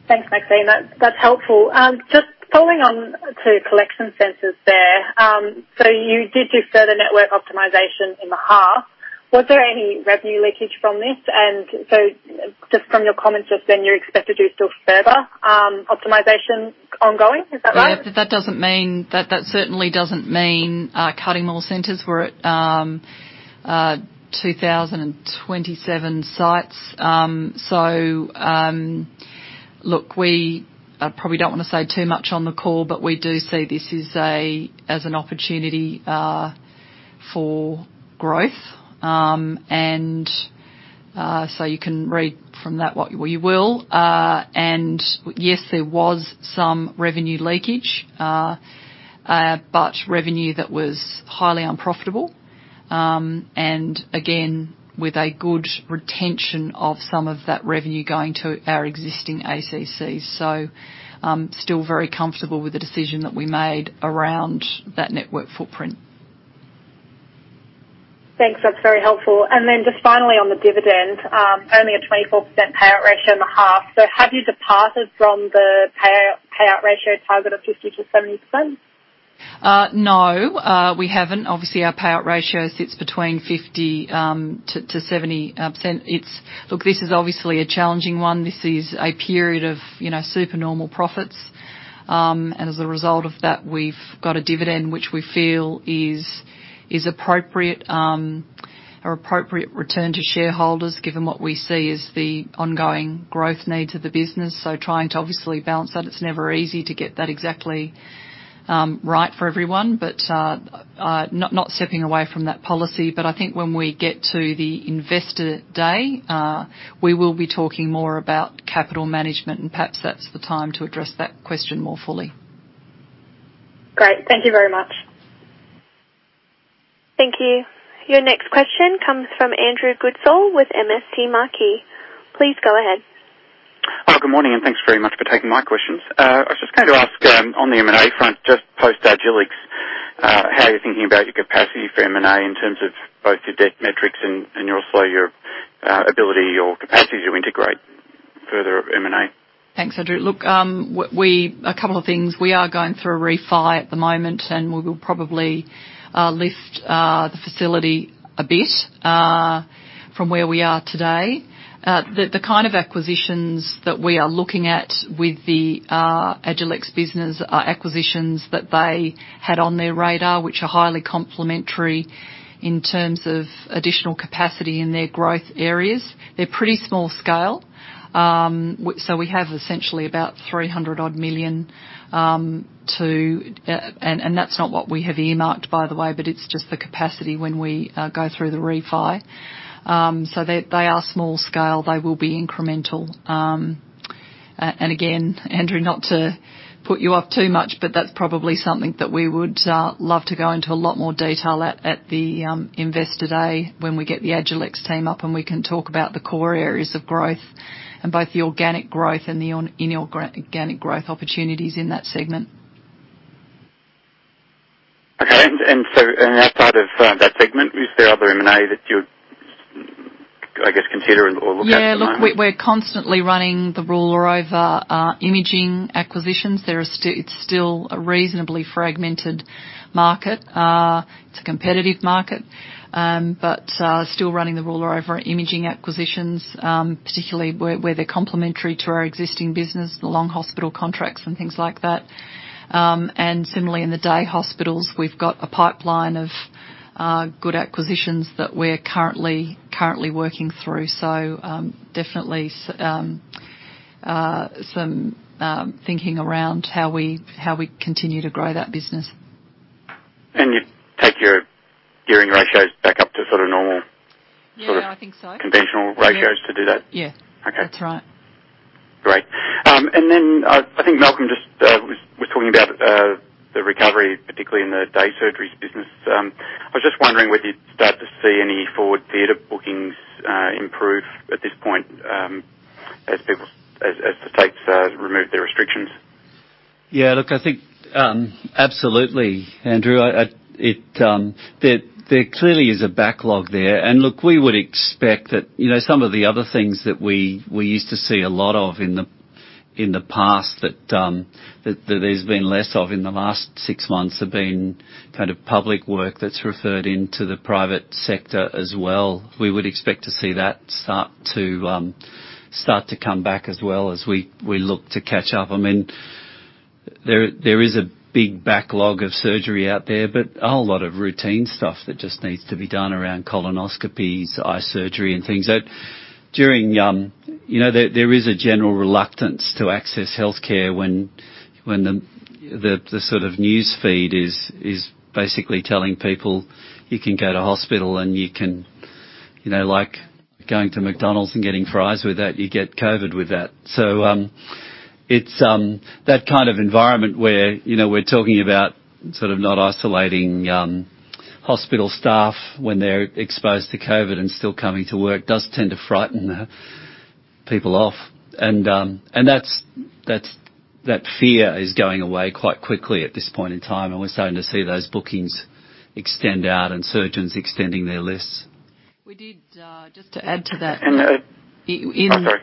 Thanks, Maxine. That's helpful. Just following on to collection centers there. You did do further network optimization in the half. Was there any revenue leakage from this? Just from your comments just then, you expect to do still further optimization ongoing. Is that right? Yeah. That certainly doesn't mean cutting more centers. We're at 2,027 sites. Look, we probably don't wanna say too much on the call, but we do see this as an opportunity for growth. You can read from that what we will. Yes, there was some revenue leakage, but revenue that was highly unprofitable. Again, with a good retention of some of that revenue going to our existing ACCs. Still very comfortable with the decision that we made around that network footprint. Thanks. That's very helpful. Then just finally on the dividend, only a 24% payout ratio in the half. Have you departed from the payout ratio target of 50%-70%? No, we haven't. Obviously, our payout ratio sits between 50%-70%. Look, this is obviously a challenging one. This is a period of, you know, supernormal profits. As a result of that, we've got a dividend which we feel is an appropriate return to shareholders given what we see as the ongoing growth needs of the business. Trying to obviously balance that, it's never easy to get that exactly right for everyone. Not stepping away from that policy. I think when we get to the investor day, we will be talking more about capital management, and perhaps that's the time to address that question more fully. Great. Thank you very much. Thank you. Your next question comes from Andrew Goodsall with MST Marquee. Please go ahead. Oh, good morning, and thanks very much for taking my questions. I was just going to ask, on the M&A front, just post Agilex, how you're thinking about your capacity for M&A in terms of both your debt metrics and also your ability or capacity to integrate further M&A. Thanks, Andrew. Look, a couple of things. We are going through a refi at the moment, and we will probably lift the facility a bit from where we are today. The kind of acquisitions that we are looking at with the Agilex business are acquisitions that they had on their radar, which are highly complementary in terms of additional capacity in their growth areas. They are pretty small scale. We have essentially about 300 million to hand, and that's not what we have earmarked, by the way, but it's just the capacity when we go through the refi. They are small scale. They will be incremental. Again Andrew, not to put you off too much, but that's probably something that we would love to go into a lot more detail at the Investor Day when we get the Agilex team up, and we can talk about the core areas of growth and both the organic growth and the inorganic growth opportunities in that segment. Outside of that segment, is there other M&A that you'd, I guess, consider or look at at the moment? Yeah. Look, we're constantly running the ruler over imaging acquisitions. It's still a reasonably fragmented market. It's a competitive market. But still running the ruler over imaging acquisitions, particularly where they're complementary to our existing business, the long hospital contracts and things like that. And similarly in the day hospitals, we've got a pipeline of good acquisitions that we're currently working through. Definitely some thinking around how we continue to grow that business. You take your gearing ratios back up to sort of normal. Yeah, I think so. sort of conventional ratios to do that? Yeah. Okay. That's right. Great. I think Malcolm just was talking about the recovery, particularly in the day surgeries business. I was just wondering whether you'd start to see any forward theater bookings improve at this point, as the states remove their restrictions. Yeah. Look, I think absolutely, Andrew. There clearly is a backlog there. Look, we would expect that, you know, some of the other things that we used to see a lot of in the past that there's been less of in the last six months have been kind of public work that's referred into the private sector as well. We would expect to see that start to come back as well as we look to catch up. I mean, there is a big backlog of surgery out there, but a whole lot of routine stuff that just needs to be done around colonoscopies, eye surgery and things. During, you know, there is a general reluctance to access healthcare when the sort of news feed is basically telling people you can go to hospital and you can, you know, like going to McDonald's and getting fries with that, you get COVID with that. It's that kind of environment where, you know, we're talking about sort of not isolating hospital staff when they're exposed to COVID and still coming to work does tend to frighten people off. That fear is going away quite quickly at this point in time. We're starting to see those bookings extend out and surgeons extending their lists. We did, just to add to that. And, uh- In- I'm sorry.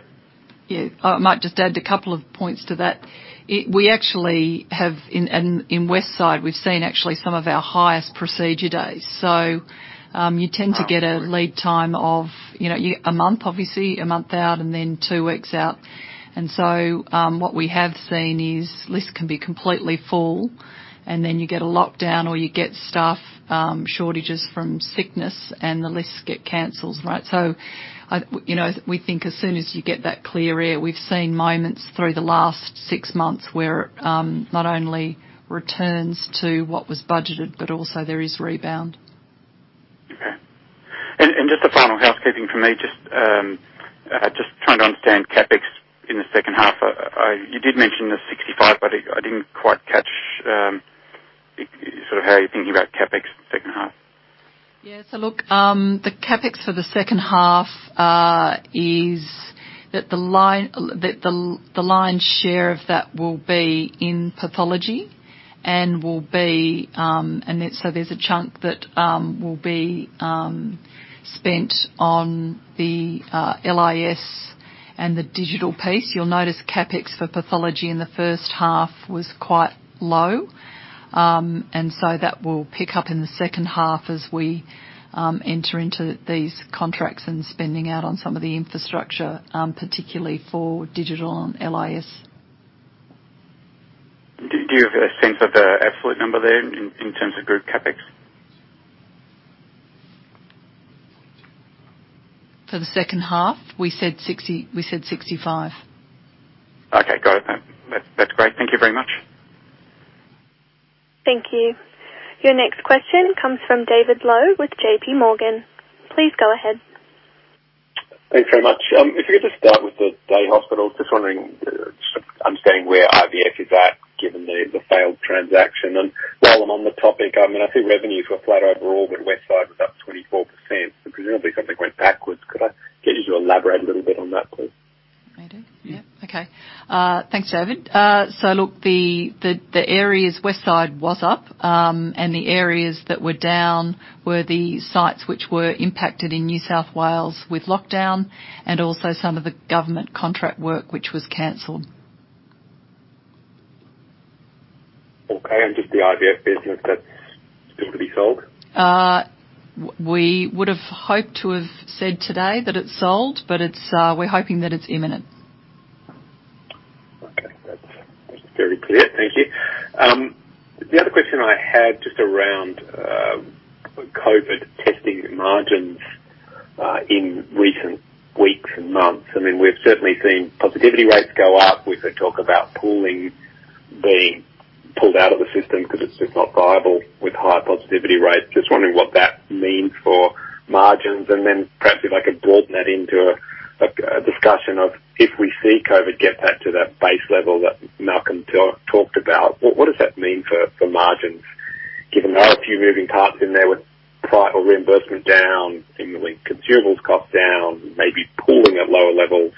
Yeah. I might just add a couple of points to that. We actually have in Westside, we've seen actually some of our highest procedure days. You tend to get a lead time of, you know, you get a month, obviously a month out and then two weeks out. What we have seen is lists can be completely full and then you get a lockdown or you get staff shortages from sickness and the lists get canceled, right? I, you know, we think as soon as you get that clear air, we've seen moments through the last six months where not only returns to what was budgeted, but also there is rebound. Okay. Just a final housekeeping from me. Just trying to understand CapEx in the second half. You did mention the 65, but I didn't quite catch sort of how you're thinking about CapEx second half. Yeah. Look, the CapEx for the second half, the lion's share of that will be in pathology and will be, so there's a chunk that will be spent on the LIS and the digital piece. You'll notice CapEx for pathology in the first half was quite low. That will pick up in the second half as we enter into these contracts and spending out on some of the infrastructure, particularly for digital and LIS. Do you have a sense of the absolute number there in terms of group CapEx? For the second half? We said 60, we said 65. Okay. Got it. That's great. Thank you very much. Thank you. Your next question comes from David Low with JPMorgan. Please go ahead. Thanks very much. If we could just start with the day hospital. Just wondering, just understanding where IVF is at, given the failed transaction. While I'm on the topic, I mean, I see revenues were flat overall, but Westside was up 24% and presumably something went backwards. Could I get you to elaborate a little bit on that, please? Maybe. Yeah. Okay. Thanks, David. Look, the areas Westside was up, and the areas that were down were the sites which were impacted in New South Wales with lockdown and also some of the government contract work which was canceled. Okay, just the IVF business that's still to be sold. We would have hoped to have said today that it's sold, but it's, we're hoping that it's imminent. Okay. That's very clear. Thank you. The other question I had just around COVID testing margins in recent weeks and months, I mean, we've certainly seen positivity rates go up. We hear talk about pooling being pulled out of the system because it's just not viable with high positivity rates. Just wondering what that means for margins. Perhaps if I could broaden that into a discussion of if we see COVID get back to that base level that Malcolm talked about, what does that mean for margins, given there are a few moving parts in there with private reimbursement down, seemingly consumables cost down, maybe pooling at lower levels?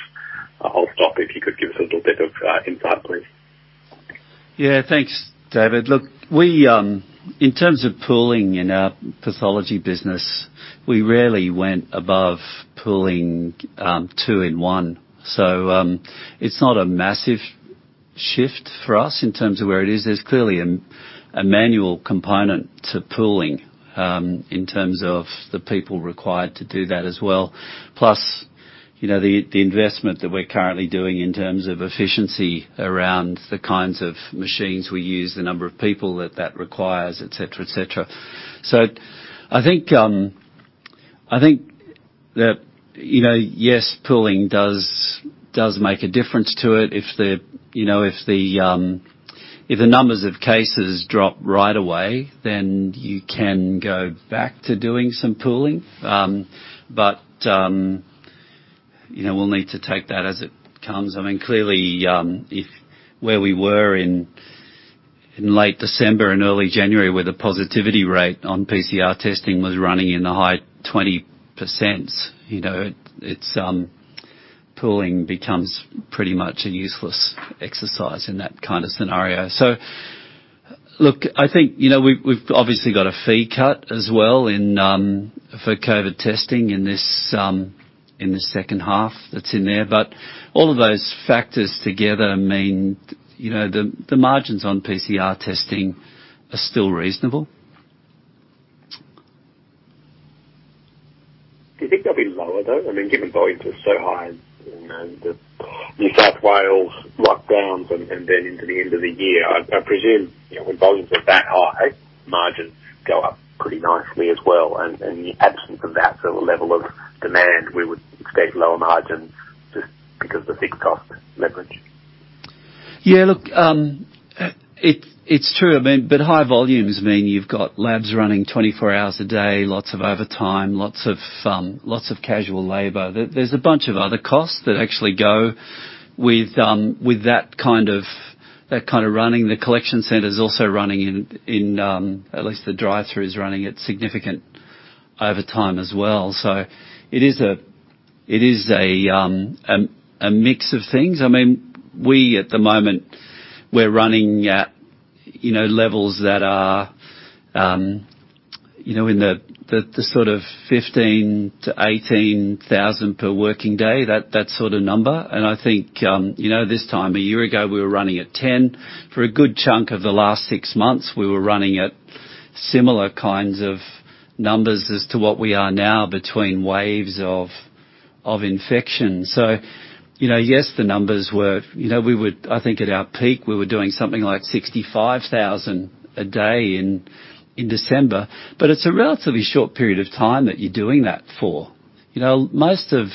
I'll stop if you could give us a little bit of insight, please. Yeah. Thanks, David. Look, we in terms of pooling in our pathology business, we rarely went above pooling two-in-one. It's not a massive shift for us in terms of where it is. There's clearly a manual component to pooling in terms of the people required to do that as well. Plus, you know, the investment that we're currently doing in terms of efficiency around the kinds of machines we use, the number of people that that requires, et cetera. I think that, you know, yes, pooling does make a difference to it. If the numbers of cases drop right away, then you can go back to doing some pooling. You know, we'll need to take that as it comes. I mean, clearly, if where we were in late December and early January, where the positivity rate on PCR testing was running in the high 20%, you know, it's pooling becomes pretty much a useless exercise in that kind of scenario. Look, I think, you know, we've obviously got a fee cut as well in for COVID testing in this in the second half that's in there. All of those factors together mean, you know, the margins on PCR testing are still reasonable. Do you think they'll be lower, though? I mean, given volumes were so high in the New South Wales lockdowns and then into the end of the year, I presume, you know, when volumes are that high, margins go up pretty nicely as well. In the absence of that sort of level of demand, we would expect lower margins just because the fixed cost leverage. Yeah. Look, it's true. I mean, but high volumes mean you've got labs running 24 hours a day, lots of overtime, lots of casual labor. There's a bunch of other costs that actually go with that kind of running. The collection center's also running in, at least the drive-through is running at significant overtime as well. It is a mix of things. I mean, at the moment, we're running at levels that are in the sort of 15,000-18,000 per working day, that sort of number. I think this time a year ago we were running at 10,000. For a good chunk of the last six months we were running at similar kinds of numbers as to what we are now between waves of infection. You know, yes, the numbers were. You know, we would, I think at our peak we were doing something like 65,000 a day in December. But it's a relatively short period of time that you're doing that for. You know, most of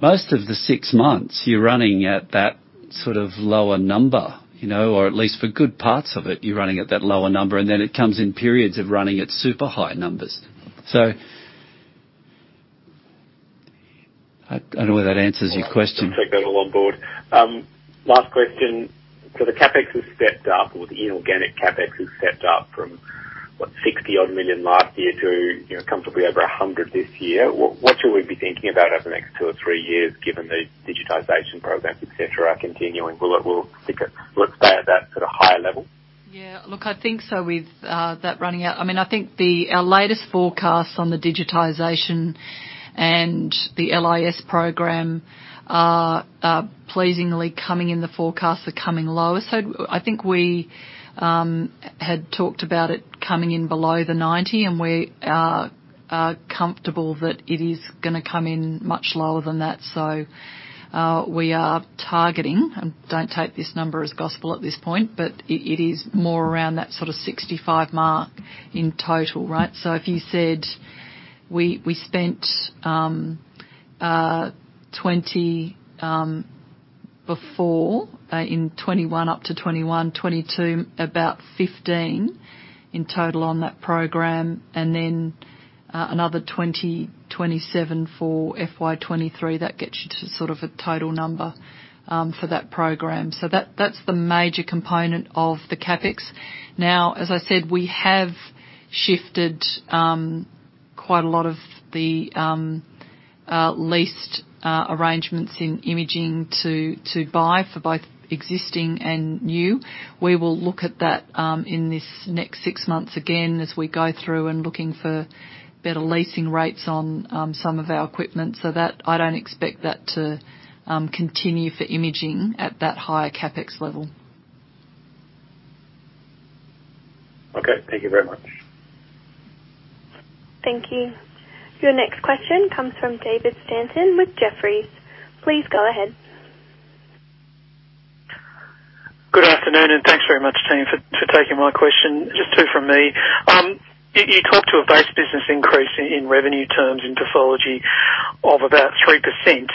the six months you're running at that sort of lower number, you know, or at least for good parts of it, you're running at that lower number, and then it comes in periods of running at super high numbers. So I don't know whether that answers your question. I'll take that all on board. Last question. The CapEx has stepped up, or the inorganic CapEx has stepped up from, what, 60 odd million last year to, you know, comfortably over 100 million this year. What should we be thinking about over the next two or three years given the digitization programs, et cetera, are continuing? Will it stay at that sort of higher level? Yeah. Look, I think so with that running out. I mean, I think our latest forecasts on the digitization and the LIS program are pleasingly coming in, the forecasts are coming lower. I think we had talked about it coming in below the 90 million and we are comfortable that it is gonna come in much lower than that. We are targeting, and don't take this number as gospel at this point, but it is more around that sort of 65 million mark in total. Right? If you said we spent 20 million before in 2021, up to 2021-2022, about 15 million in total on that program. Then another 20 million-27 million for FY 2023. That gets you to sort of a total number for that program. That's the major component of the CapEx. Now, as I said, we have shifted quite a lot of the leased arrangements in imaging to buy for both existing and new. We will look at that in this next six months again as we go through and looking for better leasing rates on some of our equipment. That, I don't expect that to continue for imaging at that higher CapEx level. Okay. Thank you very much. Thank you. Your next question comes from David Stanton with Jefferies. Please go ahead. Good afternoon, and thanks very much, team, for taking my question. Just two from me. You talked to a base business increase in revenue terms in pathology of about 3%.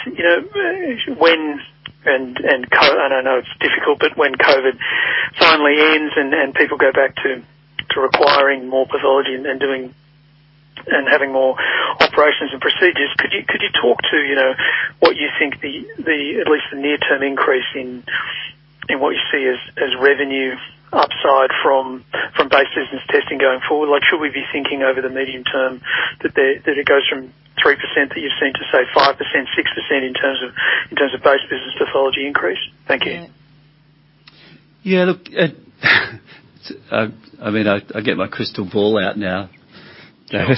You know, when COVID, I don't know, it's difficult, but when COVID finally ends and people go back to requiring more pathology and doing and having more operations and procedures, could you talk to, you know, what you think the at least the near-term increase in what you see as revenue upside from base business testing going forward? Like, should we be thinking over the medium term that it goes from 3% that you've seen to, say, 5%, 6% in terms of base business pathology increase? Thank you. Yeah. Yeah, look, I mean, I get my crystal ball out now. Sure.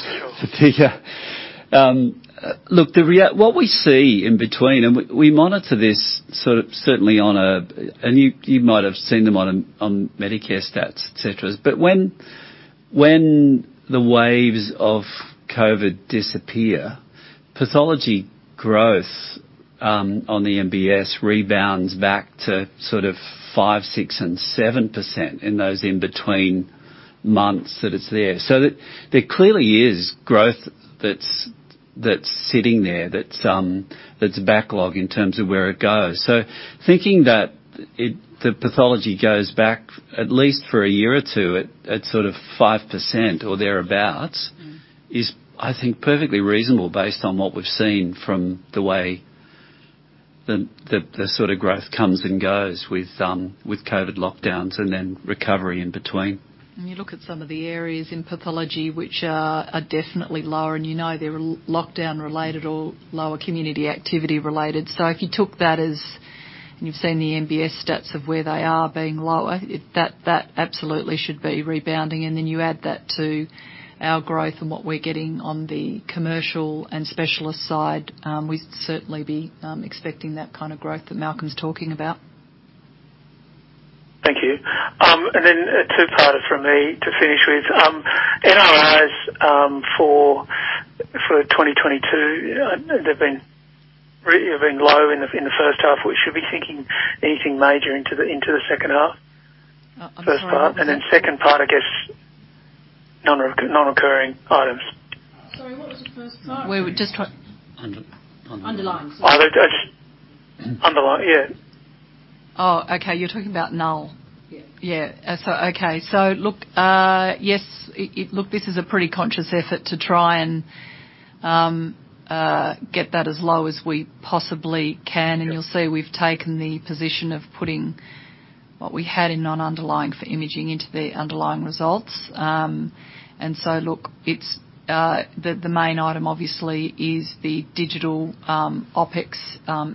Look, what we see in between, and we monitor this sort of certainly on a. You might have seen them on a, on Medicare stats, et cetera. When the waves of COVID disappear, pathology growth on the MBS rebounds back to sort of 5%, 6%, and 7% in those in between months that it's there. There clearly is growth that's sitting there, that's backlog in terms of where it goes. Thinking that the pathology goes back at least for a year or two at sort of 5% or thereabout is, I think, perfectly reasonable based on what we've seen from the way the sort of growth comes and goes with COVID lockdowns and then recovery in between. When you look at some of the areas in pathology which are definitely lower and you know they're lockdown related or lower community activity related. If you took that as, and you've seen the MBS stats of where they are being lower, that absolutely should be rebounding. You add that to our growth and what we're getting on the commercial and specialist side, we'd certainly be expecting that kind of growth that Malcolm's talking about. Thank you. Then a two-parter from me to finish with. NRIs for 2022, they've been low in the first half. We should be seeing anything major into the second half? I'm sorry, what was that? First part. Second part, I guess, non-occurring items. Sorry, what was the first part? We were just talk- Underlying. Underlying, sorry. Yeah. Oh, okay. You're talking about null. Yeah. Look, this is a pretty conscious effort to try and get that as low as we possibly can. Yeah. You'll see we've taken the position of putting what we had in non-underlying for imaging into the underlying results. Look, it's the main item obviously is the digital OpEx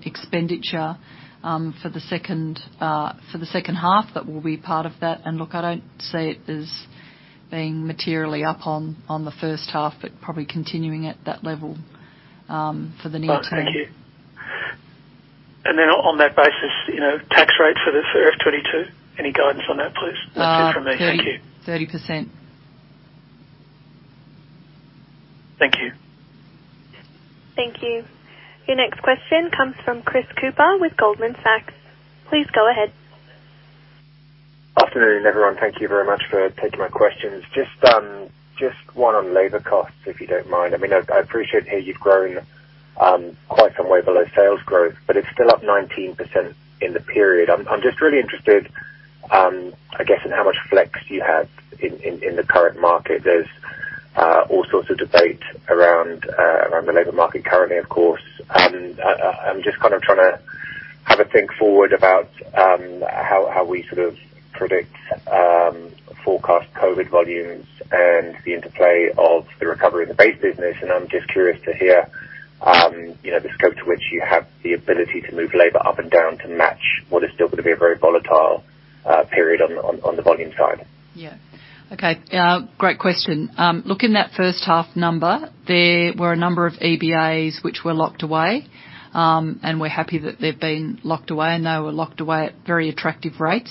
expenditure for the second half. That will be part of that. Look, I don't see it as being materially up on the first half, but probably continuing at that level for the near term. Right. Thank you. On that basis, you know, tax rate for the FY 2022, any guidance on that, please? That's it from me. Thank you. 30%. Thank you. Thank you. Your next question comes from Chris Cooper with Goldman Sachs. Please go ahead. Afternoon, everyone. Thank you very much for taking my questions. Just one on labor costs, if you don't mind. I mean, I appreciate here you've grown quite some way below sales growth, but it's still up 19% in the period. I'm just really interested, I guess, in how much flex you have in the current market. There's all sorts of debate around the labor market currently, of course. I'm just kind of trying to have a think forward about how we sort of predict forecast COVID volumes and the interplay of the recovery in the base business. I'm just curious to hear, you know, the scope to which you have the ability to move labor up and down to match what is still gonna be a very volatile period on the volume side. Yeah. Okay. Great question. Look, in that first half number, there were a number of EBAs which were locked away. We're happy that they've been locked away, and they were locked away at very attractive rates.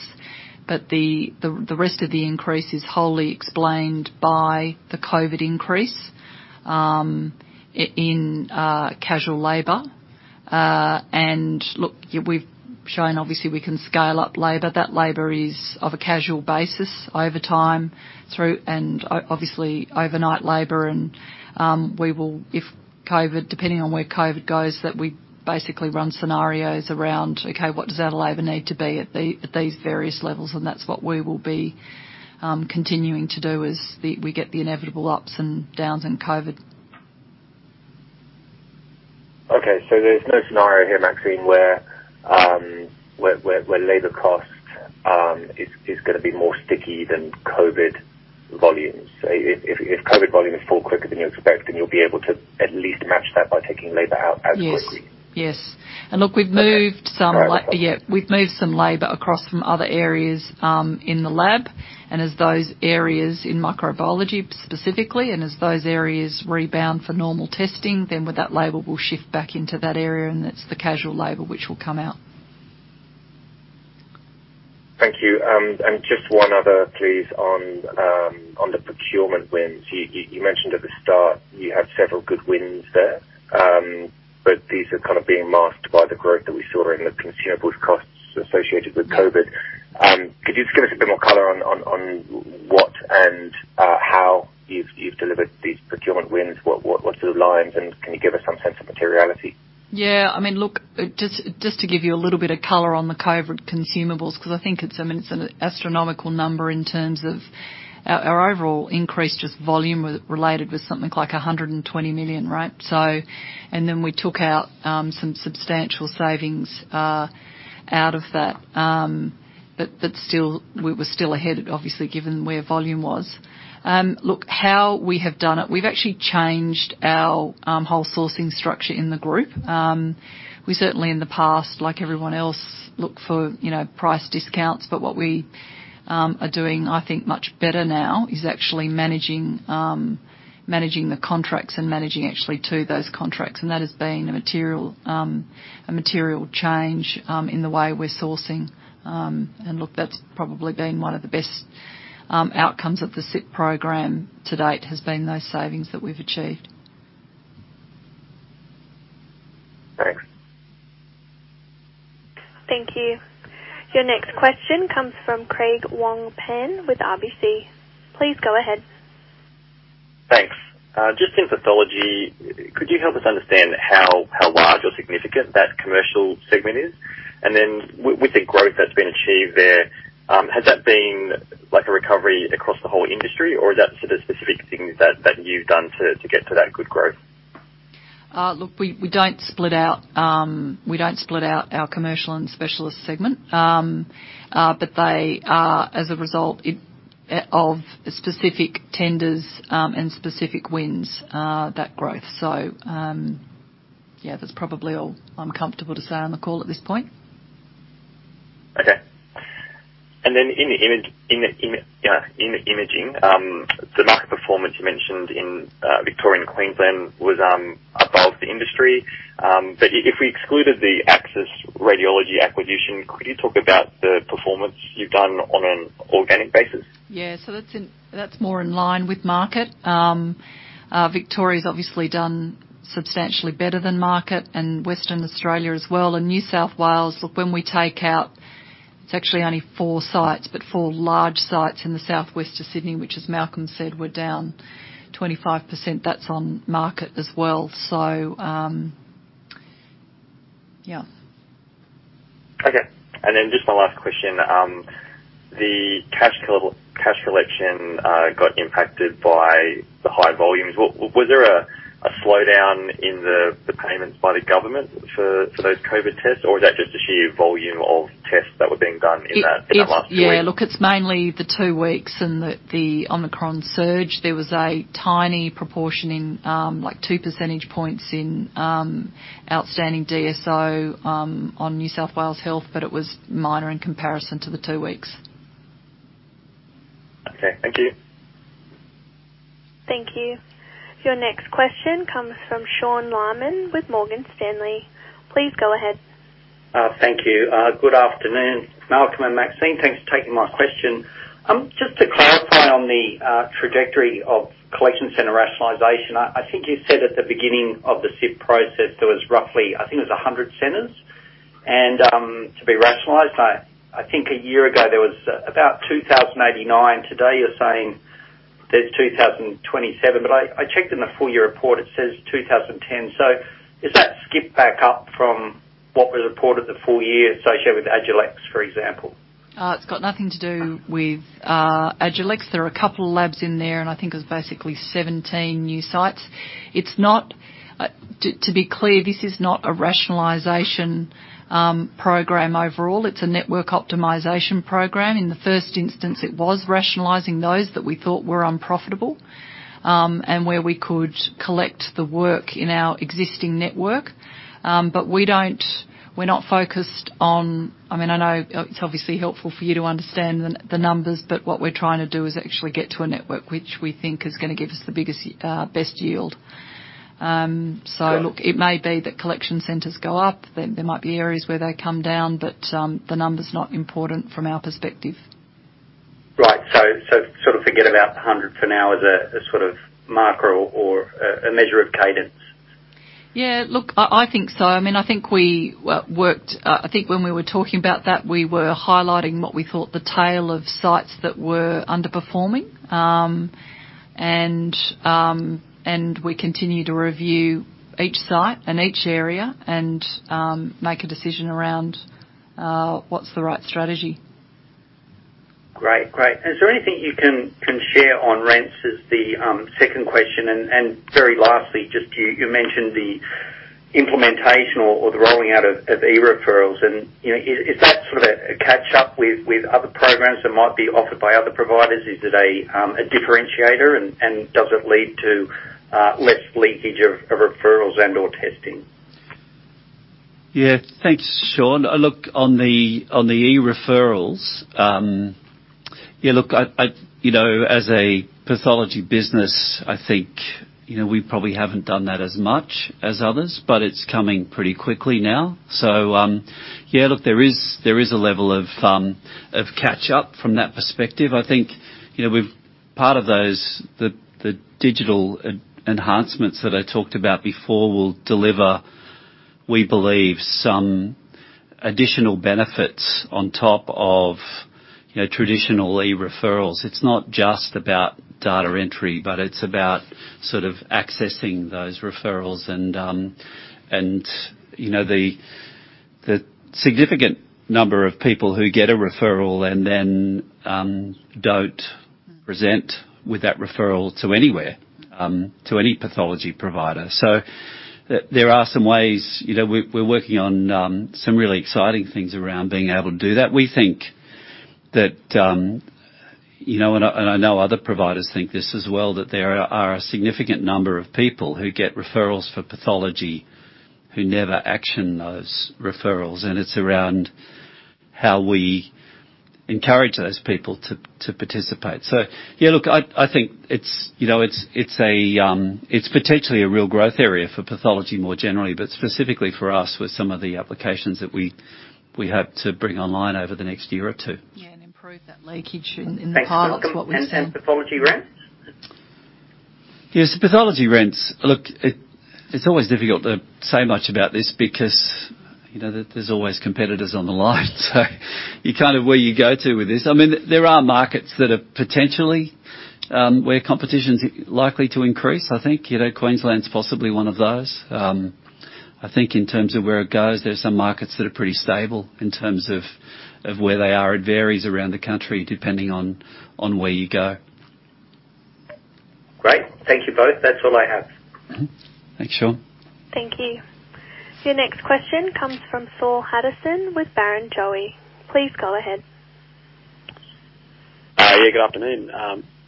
But the rest of the increase is wholly explained by the COVID increase in casual labor. Look, we've shown obviously we can scale up labor. That labor is of a casual basis, overtime through, and obviously overnight labor. We will, if COVID, depending on where COVID goes, that we basically run scenarios around, okay, what does our labor need to be at these various levels? That's what we will be continuing to do as we get the inevitable ups and downs in COVID. Okay. There's no scenario here, Maxine, where labor cost is gonna be more sticky than COVID volumes. If COVID volumes fall quicker than you expect, then you'll be able to at least match that by taking labor out as quickly. Yes. Look, we've moved some. Okay. All right. Cool. Yeah. We've moved some labor across from other areas in the lab. As those areas in microbiology specifically rebound for normal testing, then with that labor, we'll shift back into that area, and it's the casual labor which will come out. Thank you. Just one other, please, on the procurement wins. You mentioned at the start you had several good wins there, but these are kind of being masked by the growth that we saw in the consumables costs associated with COVID. Could you just give us a bit more color on what and how you've delivered these procurement wins? What sort of lines, and can you give us some sense of materiality? Yeah. I mean, look, just to give you a little bit of color on the COVID consumables, 'cause I think it's, I mean, it's an astronomical number in terms of our overall increase, just volume-related, was something like 120 million, right? We took out some substantial savings out of that, but still, we were still ahead, obviously, given where volume was. Look, how we have done it, we've actually changed our whole sourcing structure in the group. We certainly in the past, like everyone else, looked for, you know, price discounts, but what we are doing, I think, much better now is actually managing the contracts and managing actually to those contracts. That has been a material change in the way we're sourcing. Look, that's probably been one of the best outcomes of the SIP Program to date, has been those savings that we've achieved. Thanks. Thank you. Your next question comes from Craig Wong-Pan with RBC. Please go ahead. Thanks. Just in pathology, could you help us understand how large or significant that commercial segment is? With the growth that's been achieved there, has that been like a recovery across the whole industry, or is that sort of specific things that you've done to get to that good growth? Look, we don't split out our commercial and specialist segment. But they are, as a result of specific tenders and specific wins, that growth. Yeah, that's probably all I'm comfortable to say on the call at this point. Okay. In the imaging, the market performance you mentioned in Victoria and Queensland was above the industry. If we excluded the Axis Radiology acquisition, could you talk about the performance you've done on an organic basis? That's more in line with market. Victoria's obviously done substantially better than market and Western Australia as well. New South Wales, look, when we take out, it's actually only four sites, but four large sites in the southwest of Sydney, which, as Malcolm said, we're down 25%. That's on market as well. Okay. Just my last question. The cash collection got impacted by the high volumes. Was there a slowdown in the payments by the government for those COVID tests, or is that just the sheer volume of tests that were being done in that last quarter? It's yeah, look, it's mainly the two weeks and the Omicron surge. There was a tiny proportion in like 2 percentage points in outstanding DSO on New South Wales Health, but it was minor in comparison to the two weeks. Okay. Thank you. Thank you. Your next question comes from Sean Laaman with Morgan Stanley. Please go ahead. Thank you. Good afternoon, Malcolm and Maxine. Thanks for taking my question. Just to clarify on the trajectory of collection center rationalization. I think you said at the beginning of the SIP process, there was roughly, I think it was 100 centers and to be rationalized. I think a year ago, there was about 2,089. Today you're saying there's 2,027. But I checked in the full year report, it says 2,010. So is that a step back up from what was reported the full year associated with Agilex, for example? It's got nothing to do with Agilex. There are a couple of labs in there, and I think it was basically 17 new sites. It's not, to be clear, this is not a rationalization program overall. It's a network optimization program. In the first instance, it was rationalizing those that we thought were unprofitable, and where we could collect the work in our existing network. But we don't, we're not focused on. I mean, I know it's obviously helpful for you to understand the numbers, but what we're trying to do is actually get to a network which we think is gonna give us the biggest best yield. So look. Sure. It may be that collection centers go up. There might be areas where they come down. The number's not important from our perspective. Right. Sort of forget about the 100 for now as a sort of marker or a measure of cadence? Yeah, look, I think so. I mean, I think we worked. I think when we were talking about that, we were highlighting what we thought the tail of sites that were underperforming. We continue to review each site and each area and make a decision around what's the right strategy. Great. Is there anything you can share on rent, is the second question. Very lastly, just you mentioned the implementation or the rolling out of e-referrals and, you know, is that sort of a catch-up with other programs that might be offered by other providers? Is it a differentiator, and does it lead to less leakage of referrals and/or testing? Yeah. Thanks, Sean. Look, on the e-referrals, look, I, you know, as a pathology business, I think, you know, we probably haven't done that as much as others, but it's coming pretty quickly now. Yeah, look, there is a level of catch up from that perspective. I think, you know, we've part of those, the digital enhancements that I talked about before will deliver, we believe, some additional benefits on top of, you know, traditional e-referrals. It's not just about data entry, but it's about sort of accessing those referrals and, you know, the significant number of people who get a referral and then don't present with that referral to anywhere, to any pathology provider. There are some ways, you know, we're working on some really exciting things around being able to do that. We think that, you know, I know other providers think this as well, that there are a significant number of people who get referrals for pathology who never action those referrals, and it's around how we encourage those people to participate. Yeah, look, I think it's, you know, it's a potentially real growth area for pathology more generally, but specifically for us with some of the applications that we hope to bring online over the next year or two. Yeah, improve that leakage in the pilots, what we've seen. Thanks, Malcolm. Pathology rents? Yes, the pathology rents. Look, it's always difficult to say much about this because, you know, there's always competitors on the line, so you're kind of where you go to with this. I mean, there are markets that are potentially where competition's likely to increase, I think. You know, Queensland's possibly one of those. I think in terms of where it goes, there's some markets that are pretty stable in terms of where they are. It varies around the country depending on where you go. Great. Thank you both. That's all I have. Thanks, Sean. Thank you. Your next question comes from Saul Hadassin with Barrenjoey. Please go ahead. Good afternoon,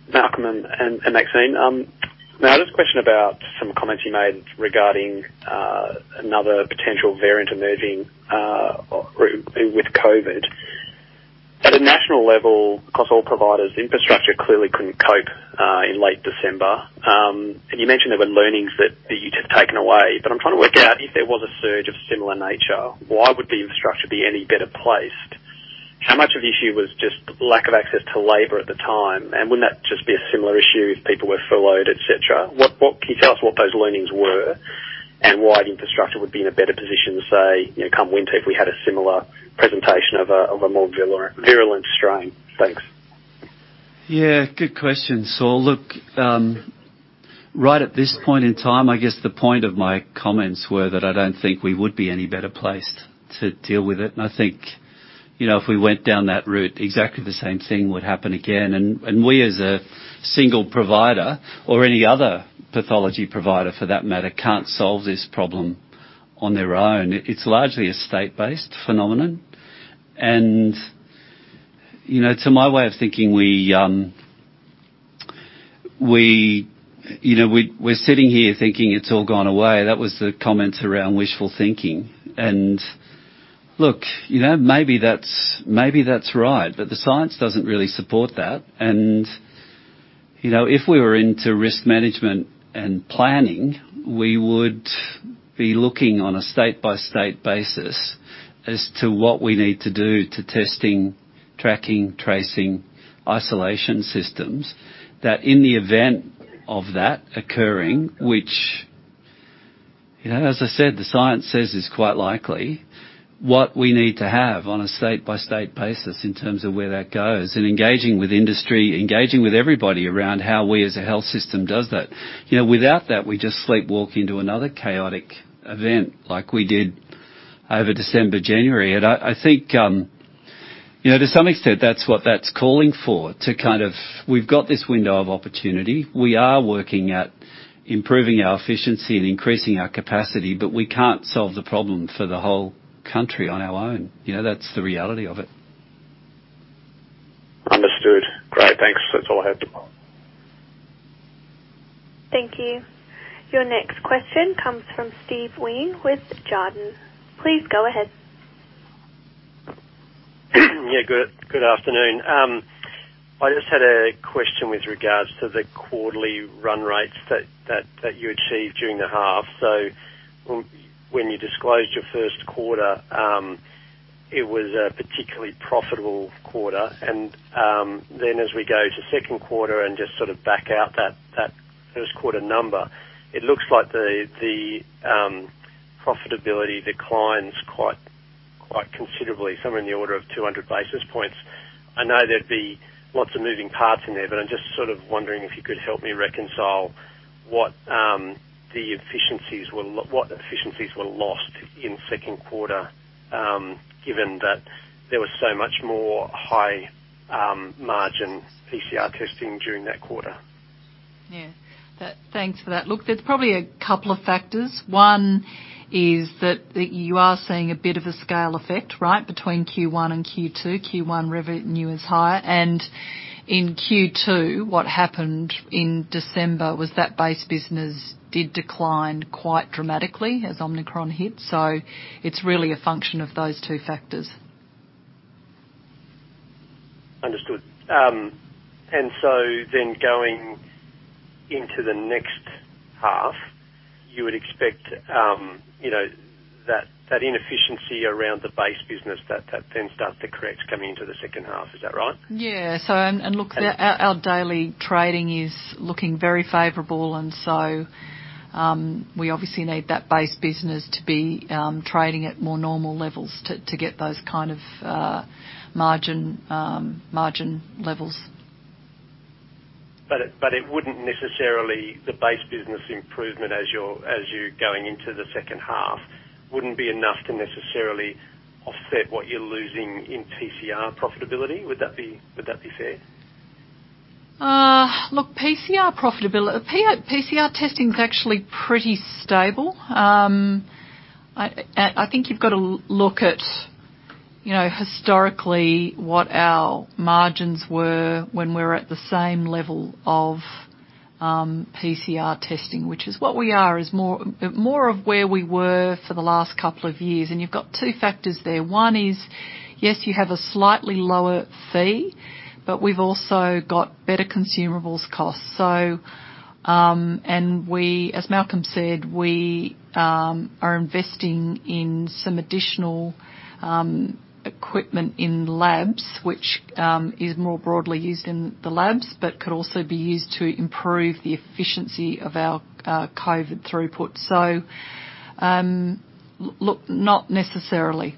Malcolm and Maxine. Now just a question about some comments you made regarding another potential variant emerging with COVID. At a national level across all providers, infrastructure clearly couldn't cope in late December. You mentioned there were learnings that you'd have taken away, but I'm trying to work out if there was a surge of similar nature, why would the infrastructure be any better placed? How much of the issue was just lack of access to labor at the time? Wouldn't that just be a similar issue if people were furloughed, et cetera? What can you tell us what those learnings were and why the infrastructure would be in a better position, say, you know, come winter, if we had a similar presentation of a more virulent strain? Thanks. Yeah, good question, Saul. Look, right at this point in time, I guess the point of my comments were that I don't think we would be any better placed to deal with it. I think, you know, if we went down that route, exactly the same thing would happen again. We, as a single provider or any other pathology provider for that matter, can't solve this problem on their own. It's largely a state-based phenomenon. You know, to my way of thinking, we're sitting here thinking it's all gone away. That was the comment around wishful thinking. Look, you know, maybe that's right, but the science doesn't really support that. You know, if we were into risk management and planning, we would be looking on a state-by-state basis as to what we need to do to testing, tracking, tracing, isolation systems, that in the event of that occurring, which, you know, as I said, the science says is quite likely, what we need to have on a state-by-state basis in terms of where that goes, and engaging with industry, engaging with everybody around how we as a health system does that. You know, without that, we just sleepwalk into another chaotic event like we did over December, January. I think, you know, to some extent that's what it's calling for, to kind of, we've got this window of opportunity. We are working at improving our efficiency and increasing our capacity, but we can't solve the problem for the whole country on our own. You know, that's the reality of it. Understood. Great. Thanks. That's all I have. Thank you. Your next question comes from Steve Wheen with Jarden. Please go ahead. Yeah. Good afternoon. I just had a question with regards to the quarterly run rates that you achieved during the half. When you disclosed your first quarter, it was a particularly profitable quarter. Then as we go to second quarter and just sort of back out that first quarter number, it looks like the profitability declines quite considerably, somewhere in the order of 200 basis points. I know there'd be lots of moving parts in there, but I'm just sort of wondering if you could help me reconcile what the efficiencies were lost in second quarter, given that there was so much more high margin PCR testing during that quarter. Yeah. Thanks for that. Look, there's probably a couple of factors. One is that you are seeing a bit of a scale effect, right, between Q1 and Q2. Q1 revenue is higher. And in Q2, what happened in December was that base business did decline quite dramatically as Omicron hit. It's really a function of those two factors. Understood. Going into the next half, you would expect, you know, that inefficiency around the base business, that then starts to correct coming into the second half. Is that right? Yeah, look, our daily trading is looking very favorable. We obviously need that base business to be trading at more normal levels to get those kind of margin levels. But it wouldn't necessarily, the base business improvement as you're going into the second half wouldn't be enough to necessarily offset what you're losing in PCR profitability? Would that be fair? Look, PCR profitability. Per PCR testing is actually pretty stable. I think you've got to look at, you know, historically what our margins were when we're at the same level of PCR testing, which is what we are, is more of where we were for the last couple of years. You've got two factors there. One is, yes, you have a slightly lower fee, but we've also got better consumables costs. We, as Malcolm said, are investing in some additional equipment in labs which is more broadly used in the labs, but could also be used to improve the efficiency of our COVID throughput. Look, not necessarily.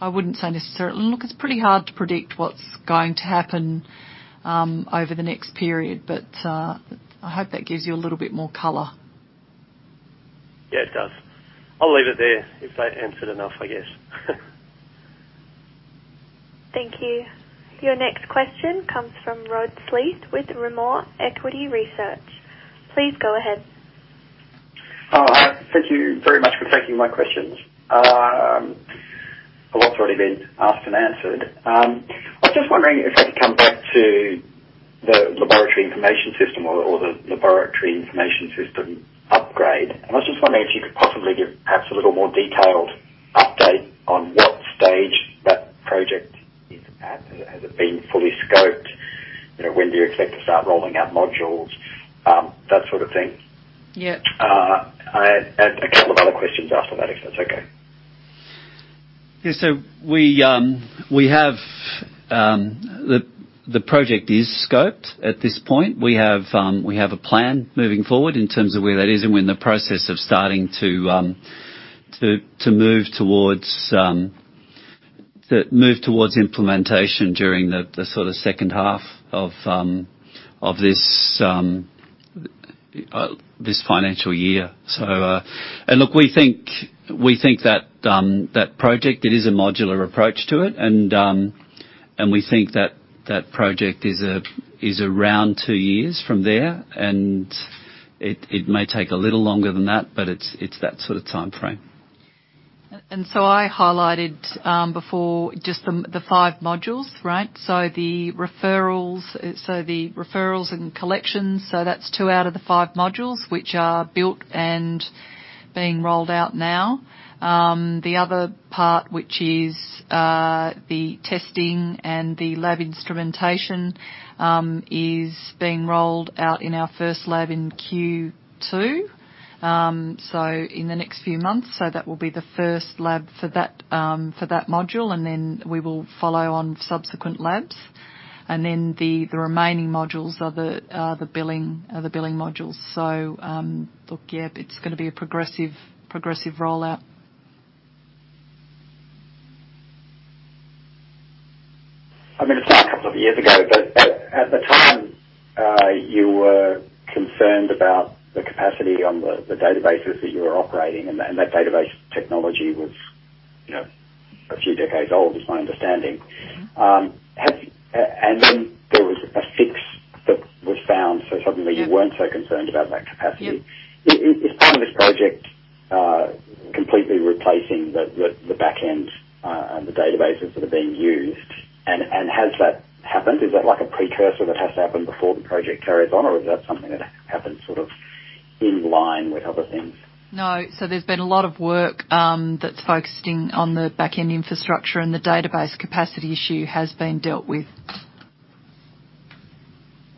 I wouldn't say necessarily. Look, it's pretty hard to predict what's going to happen over the next period, but I hope that gives you a little bit more color. Yeah, it does. I'll leave it there if that answered enough, I guess. Thank you. Your next question comes from Rod Sleath with Rimor Equity Research. Please go ahead. Thank you very much for taking my questions. A lot's already been asked and answered. I was just wondering if I could come back to the laboratory information system or the laboratory information system upgrade. I was just wondering if you could possibly give perhaps a little more detailed update on what stage that project is at. Has it been fully scoped? You know, when do you expect to start rolling out modules? That sort of thing. Yeah. I had a couple of other questions after that, if that's okay. We have the project scoped at this point. We have a plan moving forward in terms of where that is and we're in the process of starting to move towards implementation during the sort of second half of this financial year. Look, we think that project is a modular approach to it. We think that project is around two years from there, and it may take a little longer than that, but it's that sort of timeframe. I highlighted before just the five modules, right? The referrals and collections, that's two out of the five modules which are built and being rolled out now. The other part, which is the testing and the lab instrumentation, is being rolled out in our first lab in Q2, so in the next few months. That will be the first lab for that module, and then we will follow on subsequent labs. The remaining modules are the billing modules. Look, yeah, it's gonna be a progressive rollout. I mean, it's now a couple of years ago, but at the time, you were concerned about the capacity on the databases that you were operating, and that database technology was, you know, a few decades old, is my understanding. Mm-hmm. There was a fix that was found, so suddenly you weren't so concerned about that capacity. Yeah. Is part of this project completely replacing the back end and the databases that are being used, and has that happened? Is that like a precursor that has to happen before the project carries on, or is that something that happens sort of in line with other things? No. There's been a lot of work that's focusing on the back-end infrastructure, and the database capacity issue has been dealt with.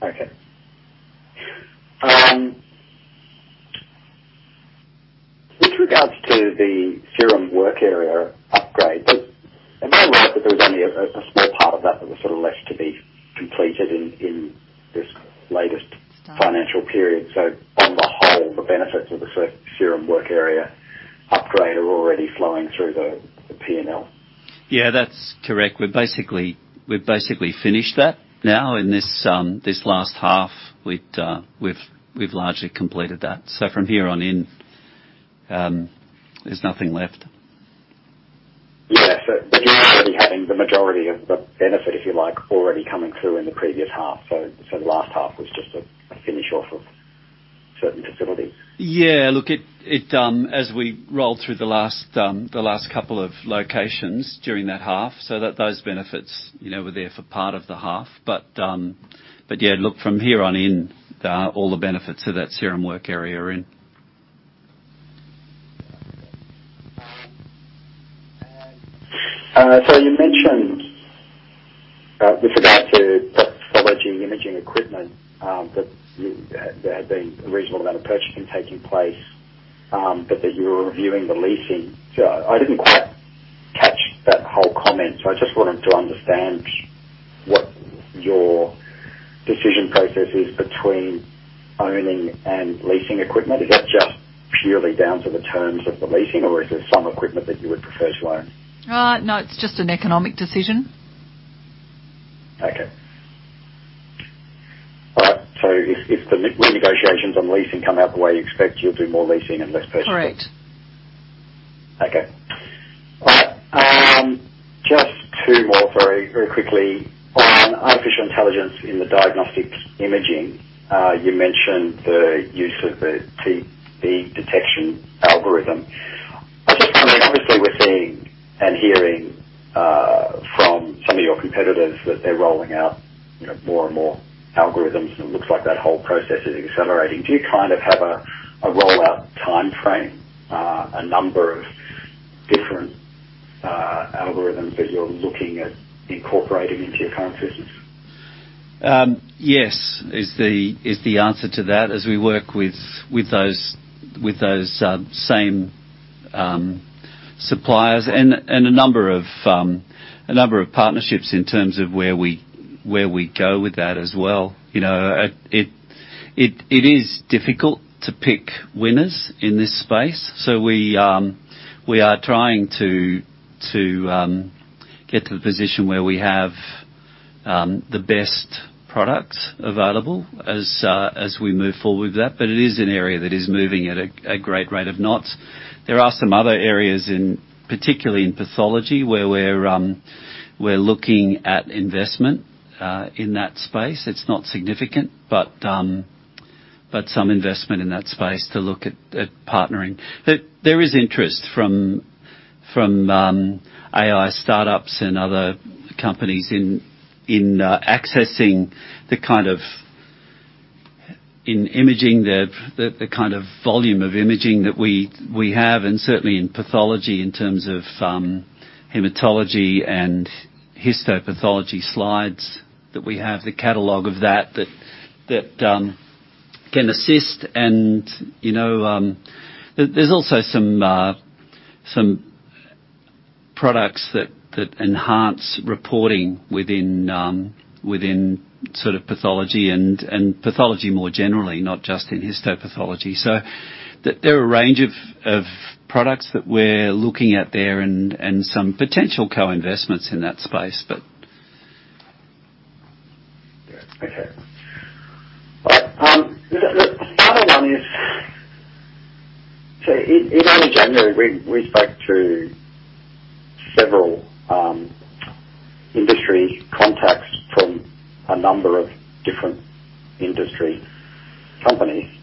Okay. With regards to the serum work area upgrade, am I right that there's only a small part of that that was sort of left to be completed in this latest financial period? On the whole, the benefits of the serum work area upgrade are already flowing through the P&L. Yeah, that's correct. We've basically finished that. Now, in this last half, we've largely completed that. From here on in, there's nothing left. Yeah. You're already having the majority of the benefit, if you like, already coming through in the previous half. The last half was just a finish off of certain facilities. Yeah. Look, as we rolled through the last couple of locations during that half, so that those benefits, you know, were there for part of the half. Yeah, look, from here on in, all the benefits of that serum work area are in. You mentioned with regard to pathology imaging equipment that there had been a reasonable amount of purchasing taking place, but that you were reviewing the leasing. I didn't quite catch that whole comment, so I just wanted to understand what your decision process is between owning and leasing equipment. Is that just purely down to the terms of the leasing, or is there some equipment that you would prefer to own? No, it's just an economic decision. If the re-negotiations on leasing come out the way you expect, you'll do more leasing and less purchasing. Correct. Okay. All right, just two more very, very quickly. On artificial intelligence in the diagnostic imaging, you mentioned the use of the TB detection algorithm. I mean, obviously we're seeing and hearing from some of your competitors that they're rolling out, you know, more and more algorithms, and it looks like that whole process is accelerating. Do you kind of have a rollout timeframe, a number of different algorithms that you're looking at incorporating into your current business? Yes, is the answer to that. As we work with those same suppliers and a number of partnerships in terms of where we go with that as well. You know, it is difficult to pick winners in this space, so we are trying to get to the position where we have the best products available as we move forward with that. It is an area that is moving at a great rate of knots. There are some other areas, particularly in pathology, where we're looking at investment in that space. It's not significant, but some investment in that space to look at partnering. There is interest from AI startups and other companies in accessing, in imaging, the kind of volume of imaging that we have, and certainly in pathology in terms of hematology and histopathology slides that we have, the catalog of that can assist, you know. There's also some products that enhance reporting within sort of pathology and pathology more generally, not just in histopathology. There are a range of products that we're looking at there and some potential co-investments in that space, but. Yeah. Okay. All right. The final one is in early January we spoke to several industry contacts from a number of different industry companies.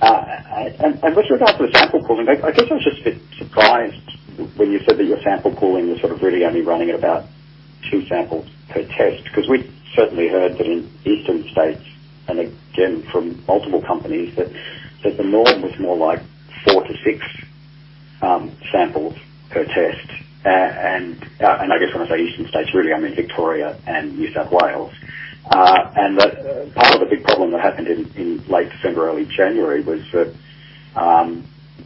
With regard to the sample pooling, I guess I was just a bit surprised when you said that your sample pooling was sort of really only running at about two samples per test, 'cause we'd certainly heard that in eastern states, and again, from multiple companies, that the norm was more like four to six samples per test. I guess when I say eastern states, really I mean Victoria and New South Wales. That part of the big problem that happened in late December, early January, was that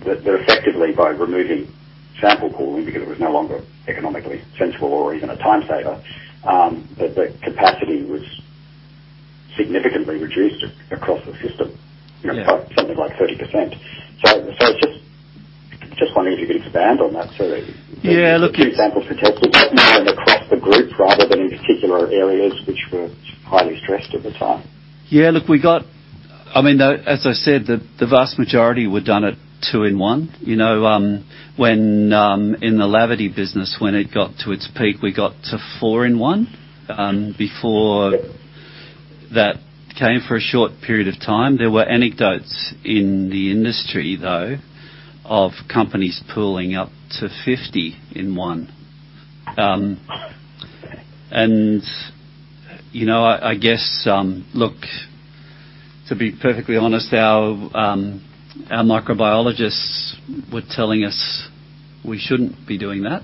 effectively by removing sample pooling because it was no longer economically sensible or even a time saver, that the capacity was significantly reduced across the system. Yeah. You know, by something like 30%. Just wondering if you could expand on that sort of Yeah. Two samples per test across the group rather than in particular areas which were highly stressed at the time. Yeah. Look, I mean, as I said, the vast majority were done at two-in-one. You know, when in the Laverty business, when it got to its peak, we got to four-in-one before that came for a short period of time. There were anecdotes in the industry, though, of companies pooling up to 50 in-one. You know, I guess, look, to be perfectly honest, our microbiologists were telling us we shouldn't be doing that.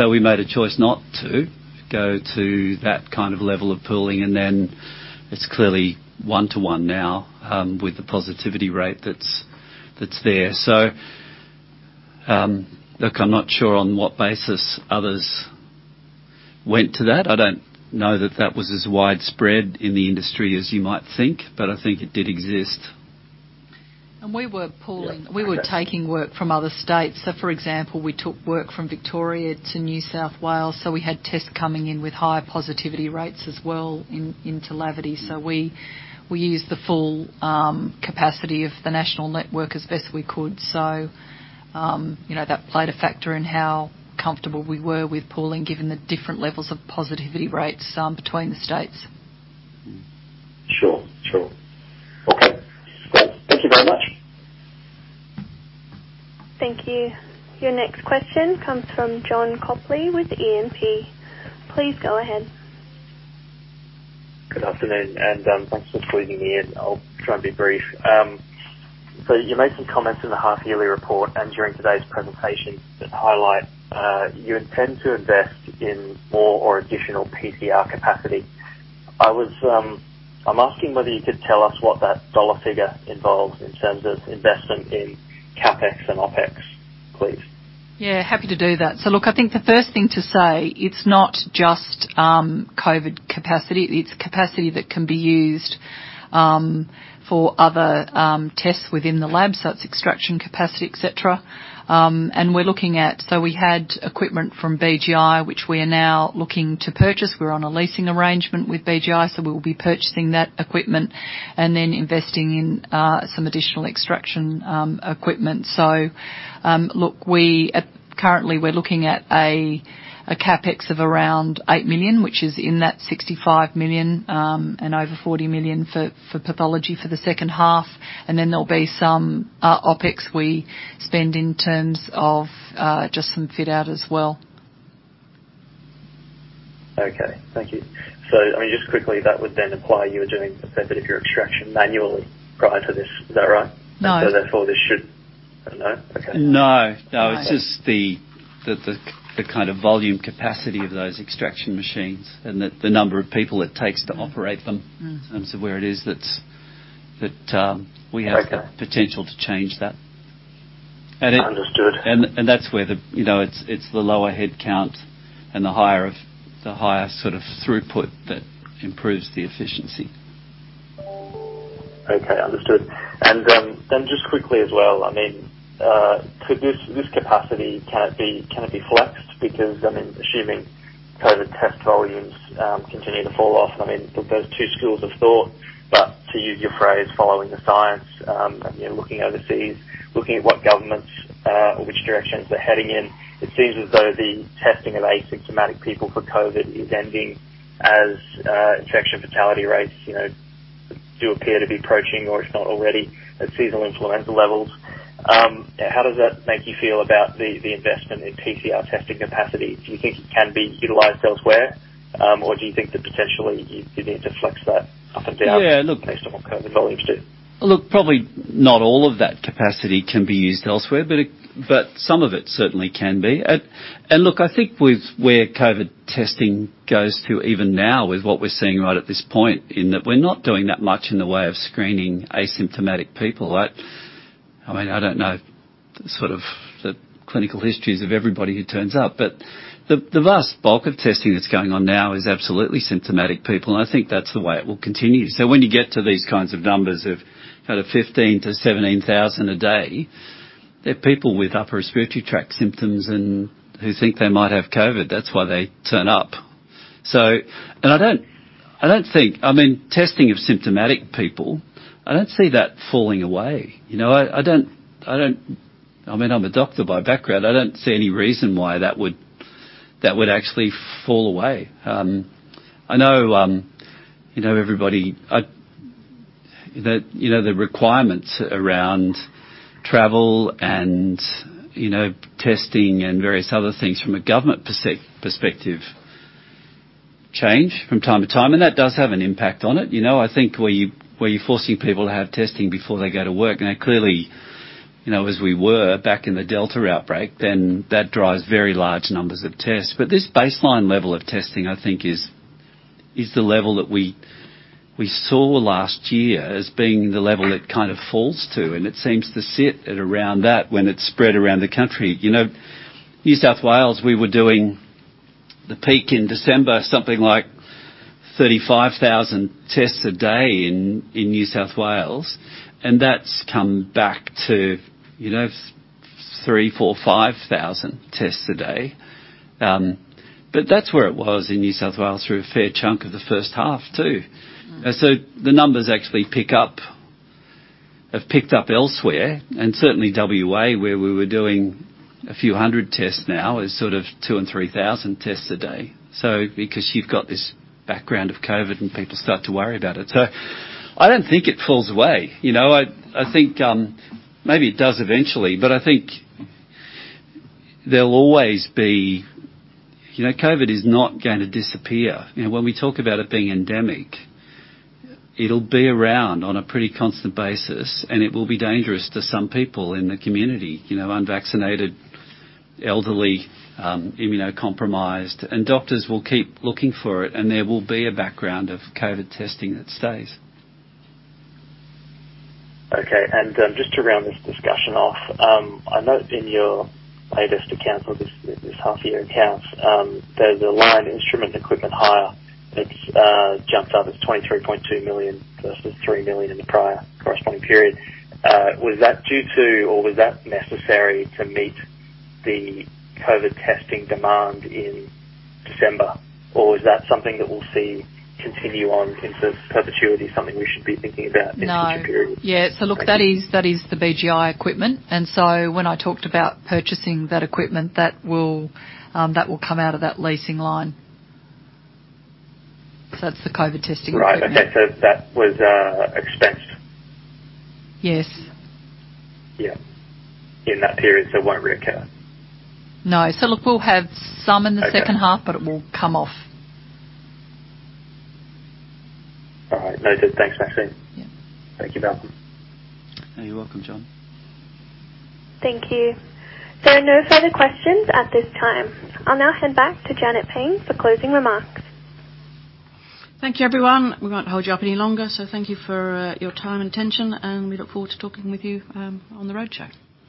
We made a choice not to go to that kind of level of pooling, and then it's clearly one-to-one now with the positivity rate that's there. Look, I'm not sure on what basis others went to that. I don't know that that was as widespread in the industry as you might think, but I think it did exist. We were pooling Yeah. We were taking work from other states. For example, we took work from Victoria to New South Wales, so we had tests coming in with higher positivity rates as well into Laverty. We used the full capacity of the national network as best we could. You know, that played a factor in how comfortable we were with pooling, given the different levels of positivity rates between the states. Mm-hmm. Sure. Okay, great. Thank you very much. Thank you. Your next question comes from John Copley with E&P. Please go ahead. Good afternoon, and thanks for squeezing me in. I'll try and be brief. You made some comments in the half yearly report and during today's presentation that highlight you intend to invest in more or additional PCR capacity. I'm asking whether you could tell us what that dollar figure involves in terms of investment in CapEx and OpEx, please? Yeah, happy to do that. Look, I think the first thing to say, it's not just COVID capacity. It's capacity that can be used for other tests within the lab, so it's extraction capacity, et cetera. We had equipment from BGI which we are now looking to purchase. We're on a leasing arrangement with BGI, so we will be purchasing that equipment and then investing in some additional extraction equipment. Currently, we're looking at a CapEx of around 8 million, which is in that 65 million, and over 40 million for pathology for the second half. Then there'll be some OpEx we spend in terms of just some fit out as well. Okay. Thank you. I mean, just quickly, that would then imply you were doing a fair bit of your extraction manually prior to this. Is that right? No. No? Okay. No, no. No. It's just the kind of volume capacity of those extraction machines and the number of people it takes to operate them. Mm-hmm. In terms of where it is that Okay. We have the potential to change that. Understood. That's where, you know, it's the lower headcount and the higher sort of throughput that improves the efficiency. Okay, understood. Just quickly as well, I mean, could this capacity be flexed? Because, I mean, assuming COVID test volumes continue to fall off, I mean, look, there's two schools of thought, but to use your phrase, following the science, you know, looking overseas, looking at what governments or which directions they're heading in, it seems as though the testing of asymptomatic people for COVID is ending as infection fatality rates, you know, do appear to be approaching, or if not already, the seasonal influenza levels. How does that make you feel about the investment in PCR testing capacity? Do you think it can be utilized elsewhere, or do you think that potentially you need to flex that up and down? Yeah, look. Based on what COVID volumes do? Look, probably not all of that capacity can be used elsewhere, but it, some of it certainly can be. Look, I think with where COVID testing goes to even now with what we're seeing right at this point in that we're not doing that much in the way of screening asymptomatic people. Right? I mean, I don't know sort of the clinical histories of everybody who turns up, but the vast bulk of testing that's going on now is absolutely symptomatic people. I think that's the way it will continue. When you get to these kinds of numbers of kind of 15,000-17,000 a day, they're people with upper respiratory tract symptoms and who think they might have COVID. That's why they turn up. I don't think, I mean, testing of symptomatic people, I don't see that falling away. You know, I don't. I mean, I'm a doctor by background. I don't see any reason why that would actually fall away. I know, you know, everybody, the, you know, the requirements around travel and, you know, testing and various other things from a government perspective change from time to time, and that does have an impact on it. You know, I think where you're forcing people to have testing before they go to work, now, clearly, you know, as we were back in the Delta outbreak, then that drives very large numbers of tests. This baseline level of testing, I think, is the level that we saw last year as being the level it kind of falls to, and it seems to sit at around that when it's spread around the country. You know, New South Wales, we were doing the peak in December, something like 35,000 tests a day in New South Wales, and that's come back to, you know, 3,000, 4,000, 5,000 tests a day. That's where it was in New South Wales through a fair chunk of the first half, too. Mm-hmm. The numbers actually pick up, have picked up elsewhere and certainly WA, where we were doing a few hundred tests now, is sort of 2,000 and 3,000 tests a day. Because you've got this background of COVID and people start to worry about it. I don't think it falls away. You know, I think, maybe it does eventually, but I think there'll always be. You know, COVID is not gonna disappear. You know, when we talk about it being endemic, it'll be around on a pretty constant basis, and it will be dangerous to some people in the community, you know, unvaccinated, elderly, immunocompromised. Doctors will keep looking for it, and there will be a background of COVID testing that stays. Okay. Just to round this discussion off, I note in your latest accounts or this half year accounts, there's a line, instrument equipment hire, that's jumped up. It's 23.2 million versus 3 million in the prior corresponding period. Was that due to or was that necessary to meet the COVID testing demand in December? Or is that something that we'll see continue on in terms of perpetuity, something we should be thinking about in future periods? No. Yeah. Okay. Look, that is the BGI equipment. When I talked about purchasing that equipment, that will come out of that leasing line. That's the COVID testing equipment. Right. Okay. That was expensed? Yes. Yeah. In that period, so it won't reoccur? No. Look, we'll have some in the second half. Okay. It will come off. All right. Noted. Thanks, Maxine. Yeah. Thank you, Malcolm. You're welcome, John. Thank you. There are no further questions at this time. I'll now hand back to Janet Payne for closing remarks. Thank you, everyone. We won't hold you up any longer, so thank you for your time and attention, and we look forward to talking with you on the roadshow.